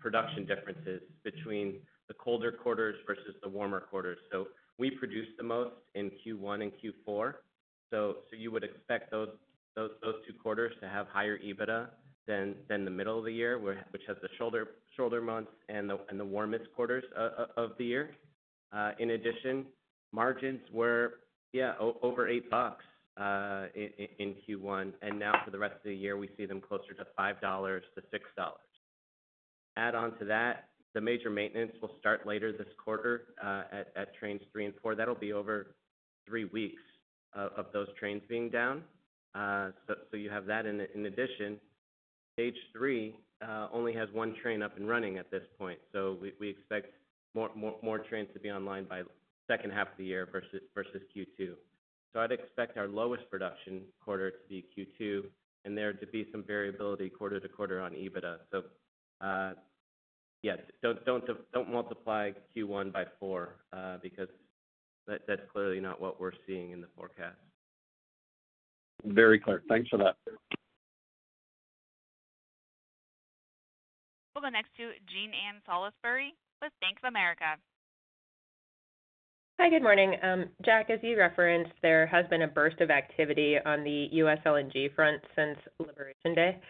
Speaker 3: production differences between the colder quarters versus the warmer quarters. We produce the most in Q1 and Q4. You would expect those two quarters to have higher EBITDA than the middle of the year, which has the shoulder months and the warmest quarters of the year. In addition, margins were, yeah, over $8 in Q1. And now for the rest of the year, we see them closer to $5-$6. Add on to that, the major maintenance will start later this quarter at Trains 3 and 4. That'll be over three weeks of those trains being down. You have that. In addition, Stage 3 only has one train up and running at this point, so we expect more trains to be online by the second half of the year versus Q2, so I'd expect our lowest production quarter to be Q2, and there to be some variability quarter to quarter on EBITDA, so yeah, don't multiply Q1 by four because that's clearly not what we're seeing in the forecast. Very clear. Thanks for that. We'll go next to Jean Ann Salisbury with Bank of America. Hi, good morning. Jack, as you referenced, there has been a burst of activity on the U.S. LNG front since Election Day.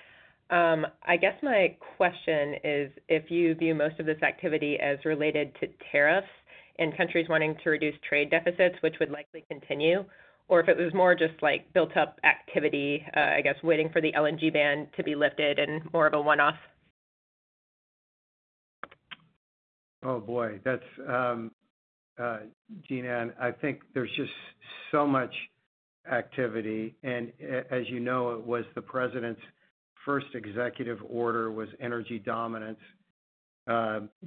Speaker 3: I guess my question is if you view most of this activity as related to tariffs and countries wanting to reduce trade deficits, which would likely continue, or if it was more just built-up activity, I guess, waiting for the LNG ban to be lifted and more of a one-off? Oh, boy. Jean Ann, I think there's just so much activity. And as you know, it was the president's first executive order was energy dominance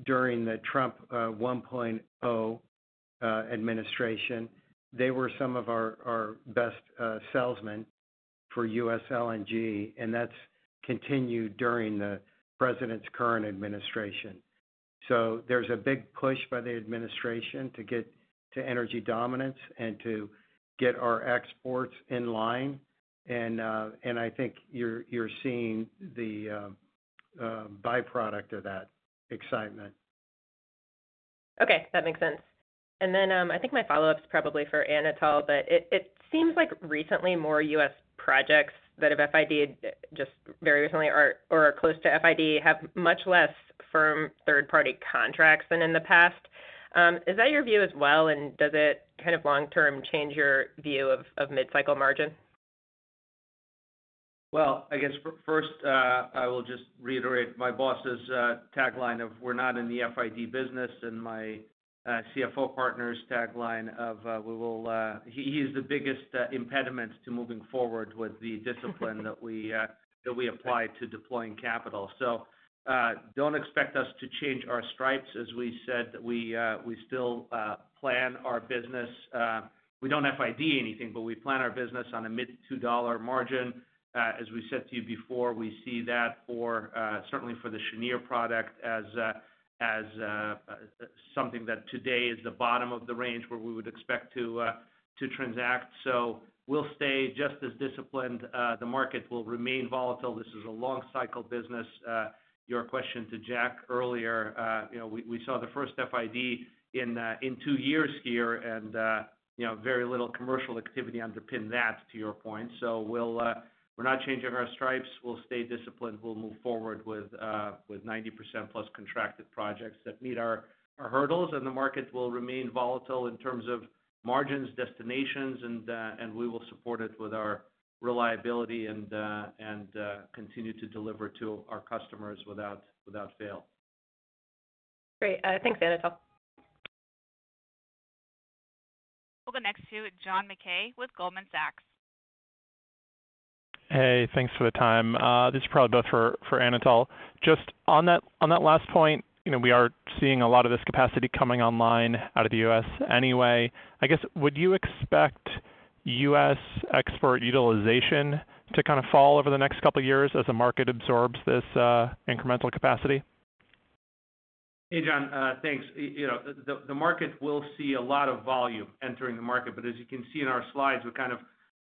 Speaker 3: during the Trump 1.0 administration. They were some of our best salesmen for U.S. LNG, and that's continued during the president's current administration. So there's a big push by the administration to get to energy dominance and to get our exports in line. And I think you're seeing the byproduct of that excitement. Okay. That makes sense. And then I think my follow-up's probably for Anatol, but it seems like recently more U.S. projects that have FID just very recently or are close to FID have much less firm third-party contracts than in the past. Is that your view as well, and does it kind of long-term change your view of mid-cycle margin? Well, I guess first, I will just reiterate my boss's tagline of, "We're not in the FID business," and my CFO partner's tagline of, "We will." He's the biggest impediment to moving forward with the discipline that we apply to deploying capital. So don't expect us to change our stripes. As we said, we still plan our business. We don't FID anything, but we plan our business on a mid-$2 margin. As we said to you before, we see that certainly for the Cheniere product as something that today is the bottom of the range where we would expect to transact. So we'll stay just as disciplined. The market will remain volatile. This is a long-cycle business. Your question to Jack earlier, we saw the first FID in two years here and very little commercial activity underpin that, to your point. So we're not changing our stripes. We'll stay disciplined. We'll move forward with 90% plus contracted projects that meet our hurdles. And the market will remain volatile in terms of margins, destinations, and we will support it with our reliability and continue to deliver to our customers without fail. Great. Thanks, Anatol. We'll go next to John Mackay with Goldman Sachs. Hey, thanks for the time. This is probably both for Anatol. Just on that last point, we are seeing a lot of this capacity coming online out of the U.S. anyway. I guess, would you expect U.S. export utilization to kind of fall over the next couple of years as the market absorbs this incremental capacity? Hey, John, thanks. The market will see a lot of volume entering the market. But as you can see in our slides, we kind of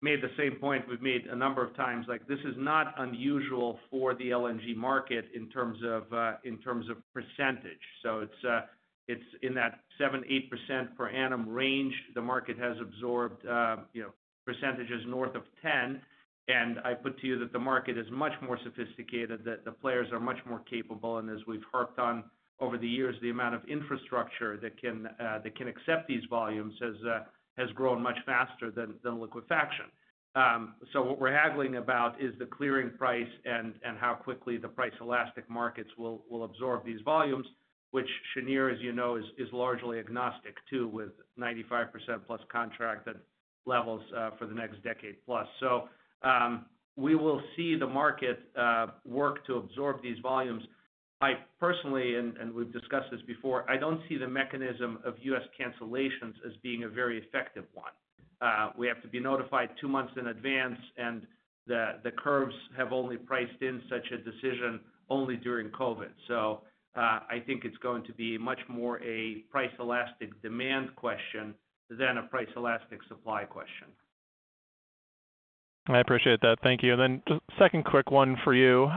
Speaker 3: made the same point we've made a number of times. This is not unusual for the LNG market in terms of percentage. So it's in that 7-8% per annum range the market has absorbed percentages north of 10%. And I put to you that the market is much more sophisticated, that the players are much more capable. As we've harped on over the years, the amount of infrastructure that can accept these volumes has grown much faster than liquefaction. So what we're haggling about is the clearing price and how quickly the price elastic markets will absorb these volumes, which Cheniere, as you know, is largely agnostic to with 95% plus contracted levels for the next decade plus. So we will see the market work to absorb these volumes. I personally, and we've discussed this before, I don't see the mechanism of U.S. cancellations as being a very effective one. We have to be notified two months in advance, and the curves have only priced in such a decision only during COVID. So I think it's going to be much more a price elastic demand question than a price elastic supply question. I appreciate that. Thank you. And then just a second quick one for you.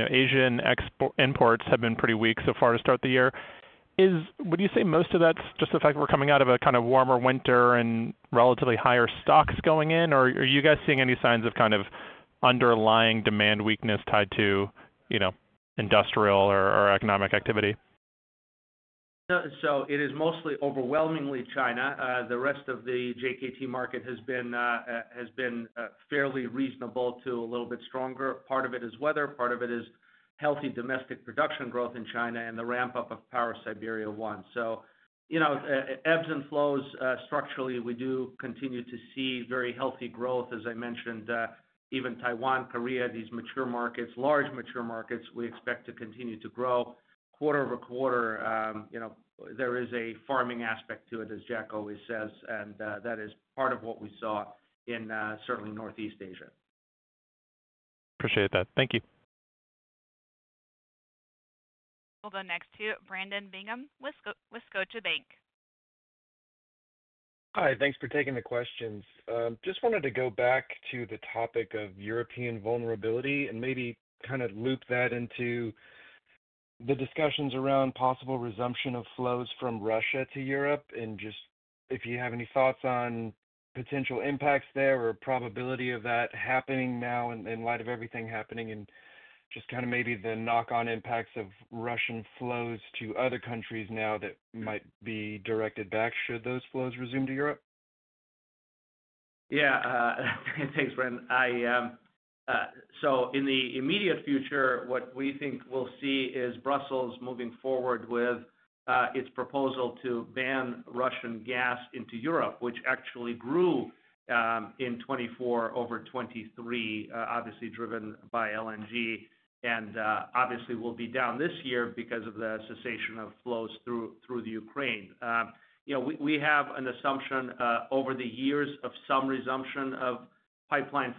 Speaker 3: Asian imports have been pretty weak so far to start the year. Would you say most of that's just the fact that we're coming out of a kind of warmer winter and relatively higher stocks going in, or are you guys seeing any signs of kind of underlying demand weakness tied to industrial or economic activity? So it is mostly overwhelmingly China. The rest of the JKM market has been fairly reasonable to a little bit stronger. Part of it is weather. Part of it is healthy domestic production growth in China and the ramp-up of Power of Siberia 1. So ebbs and flows. Structurally, we do continue to see very healthy growth, as I mentioned. Even Taiwan, Korea, these mature markets, large mature markets, we expect to continue to grow quarter over quarter. There is a farming aspect to it, as Jack always says, and that is part of what we saw in certainly Northeast Asia. Appreciate that. Thank you. We'll go next to Brandon Bingham with Scotiabank. Hi. Thanks for taking the questions. Just wanted to go back to the topic of European vulnerability and maybe kind of loop that into the discussions around possible resumption of flows from Russia to Europe. And just if you have any thoughts on potential impacts there or probability of that happening now in light of everything happening and just kind of maybe the knock-on impacts of Russian flows to other countries now that might be directed back should those flows resume to Europe. Yeah. Thanks, Brandon. In the immediate future, what we think we'll see is Brussels moving forward with its proposal to ban Russian gas into Europe, which actually grew in 2024 over 2023, obviously driven by LNG, and obviously will be down this year because of the cessation of flows through the Ukraine. We have an assumption over the years of some resumption of pipeline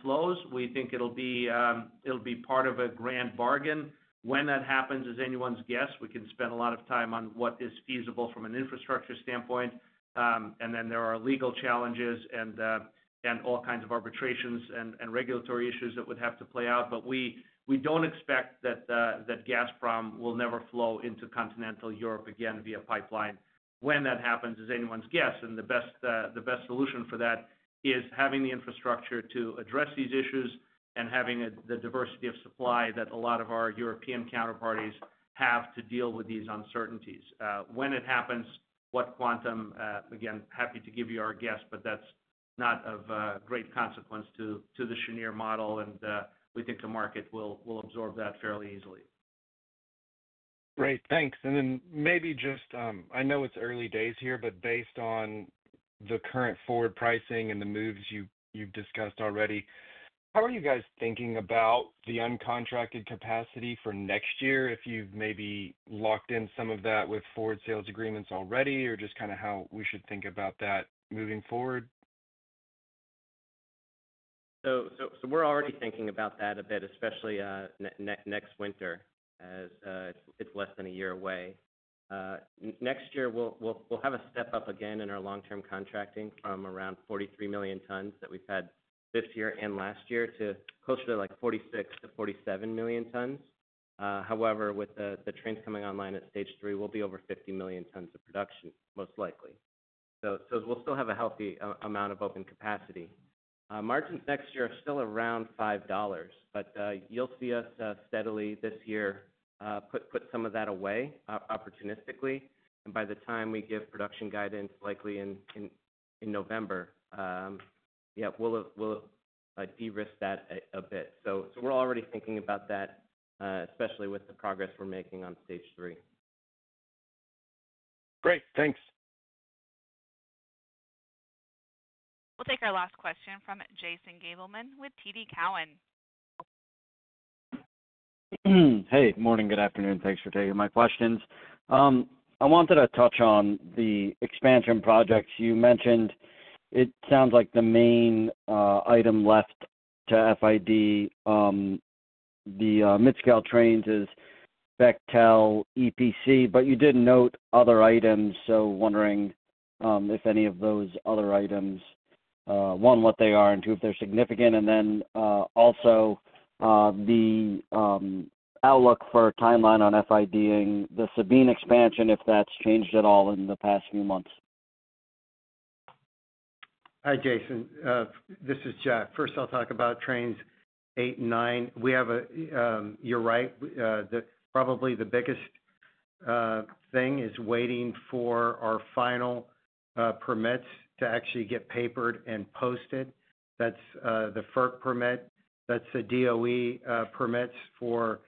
Speaker 3: flows. We think it'll be part of a grand bargain. When that happens is anyone's guess. We can spend a lot of time on what is feasible from an infrastructure standpoint. And then there are legal challenges and all kinds of arbitrations and regulatory issues that would have to play out. But we don't expect that gas from Russia will never flow into continental Europe again via pipeline. When that happens is anyone's guess. The best solution for that is having the infrastructure to address these issues and having the diversity of supply that a lot of our European counterparties have to deal with these uncertainties. When it happens, what quantum? Again, happy to give you our guess, but that's not of great consequence to the Cheniere model. We think the market will absorb that fairly easily. Great. Thanks. Then maybe just I know it's early days here, but based on the current forward pricing and the moves you've discussed already, how are you guys thinking about the uncontracted capacity for next year if you've maybe locked in some of that with forward sales agreements already or just kind of how we should think about that moving forward? We're already thinking about that a bit, especially next winter as it's less than a year away. Next year, we'll have a step up again in our long-term contracting from around 43 million tons that we've had this year and last year to closer to like 46 to 47 million tons. However, with the trains coming online at stage three, we'll be over 50 million tons of production most likely. So we'll still have a healthy amount of open capacity. Margins next year are still around $5, but you'll see us steadily this year put some of that away opportunistically. And by the time we give production guidance likely in November, yeah, we'll de-risk that a bit. So we're already thinking about that, especially with the progress we're making on stage three. Great. Thanks. We'll take our last question from Jason Gabelman with TD Cowen. Hey. Morning. Good afternoon. Thanks for taking my questions. I wanted to touch on the expansion projects you mentioned. It sounds like the main item left to FID for the Mid-scale Trains is Bechtel EPC, but you did note other items, so wondering if any of those other items, one, what they are and two, if they're significant, and then also the outlook for timeline on FIDing the Sabine expansion, if that's changed at all in the past few months. Hi, Jason. This is Jack. First, I'll talk about Trains 8 and 9. You're right. Probably the biggest thing is waiting for our final permits to actually get papered and posted. That's the FERC permit. That's the DOE permits for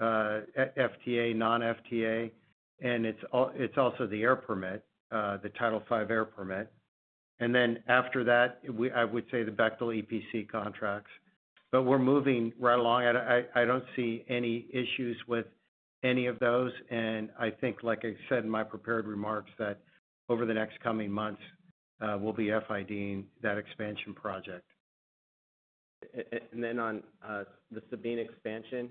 Speaker 3: FTA, non-FTA, and it's also the air permit, the Title V air permit, and then after that, I would say the Bechtel EPC contracts, but we're moving right along. I don't see any issues with any of those. I think, like I said in my prepared remarks, that over the next coming months, we'll be FIDing that expansion project. Then on the Sabine expansion,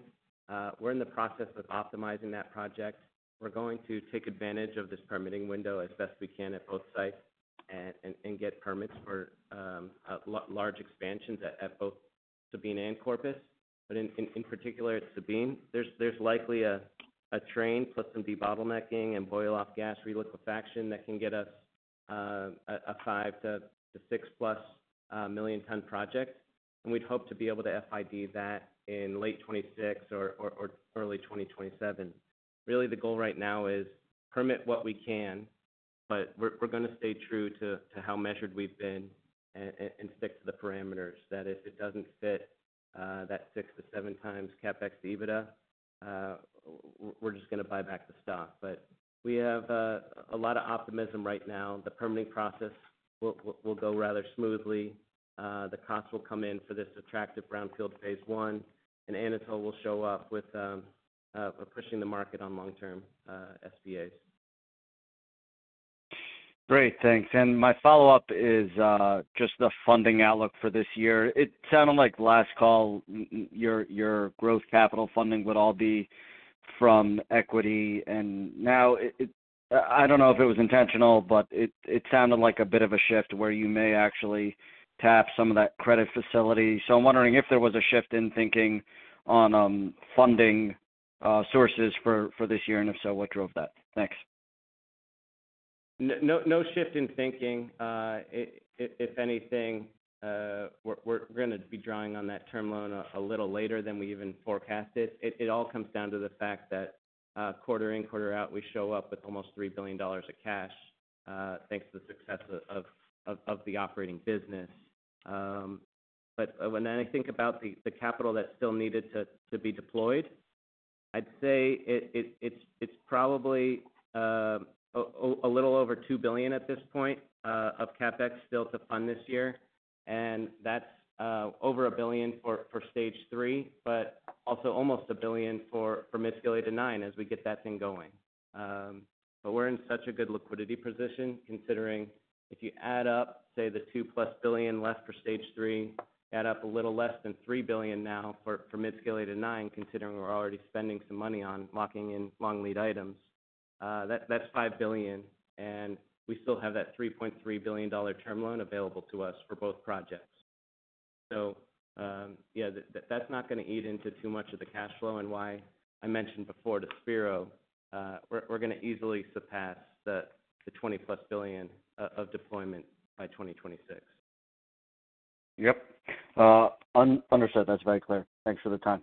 Speaker 3: we're in the process of optimizing that project. We're going to take advantage of this permitting window as best we can at both sites and get permits for large expansions at both Sabine and Corpus. In particular, Sabine, there's likely a train plus some debottlenecking and boil-off gas re-liquefaction that can get us a 5-6+ million-ton project. We'd hope to be able to FID that in late 2026 or early 2027. Really, the goal right now is permit what we can, but we're going to stay true to how measured we've been and stick to the parameters. That if it doesn't fit that 6-7 times CapEx EBITDA, we're just going to buy back the stock. But we have a lot of optimism right now. The permitting process will go rather smoothly. The cost will come in for this attractive brownfield phase one. And Anatol will show up with pushing the market on long-term SPAs. Great. Thanks. And my follow-up is just the funding outlook for this year. It sounded like last call, your growth capital funding would all be from equity. And now, I don't know if it was intentional, but it sounded like a bit of a shift where you may actually tap some of that credit facility. So I'm wondering if there was a shift in thinking on funding sources for this year. And if so, what drove that? Thanks. No shift in thinking. If anything, we're going to be drawing on that term loan a little later than we even forecasted. It all comes down to the fact that quarter in, quarter out, we show up with almost $3 billion of cash thanks to the success of the operating business, but when I think about the capital that still needed to be deployed, I'd say it's probably a little over $2 billion at this point of CapEx still to fund this year, and that's over a billion for Stage 3, but also almost a billion for mid-scale 8 to 9 as we get that thing going, but we're in such a good liquidity position considering if you add up, say, the two-plus billion left for Stage 3, add up a little less than $3 billion now for Midscale 8 to 9, considering we're already spending some money on locking in long-lead items. That's $5 billion, and we still have that $3.3 billion term loan available to us for both projects. So yeah, that's not going to eat into too much of the cash flow. And why I mentioned before to Spiro, we're going to easily surpass the $20-plus billion of deployment by 2026. Yep. Understood. That's very clear. Thanks for the time.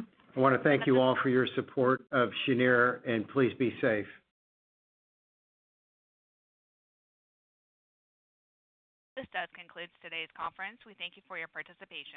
Speaker 3: I want to thank you all for your support of Cheniere and please be safe. This does conclude today's conference. We thank you for your participation.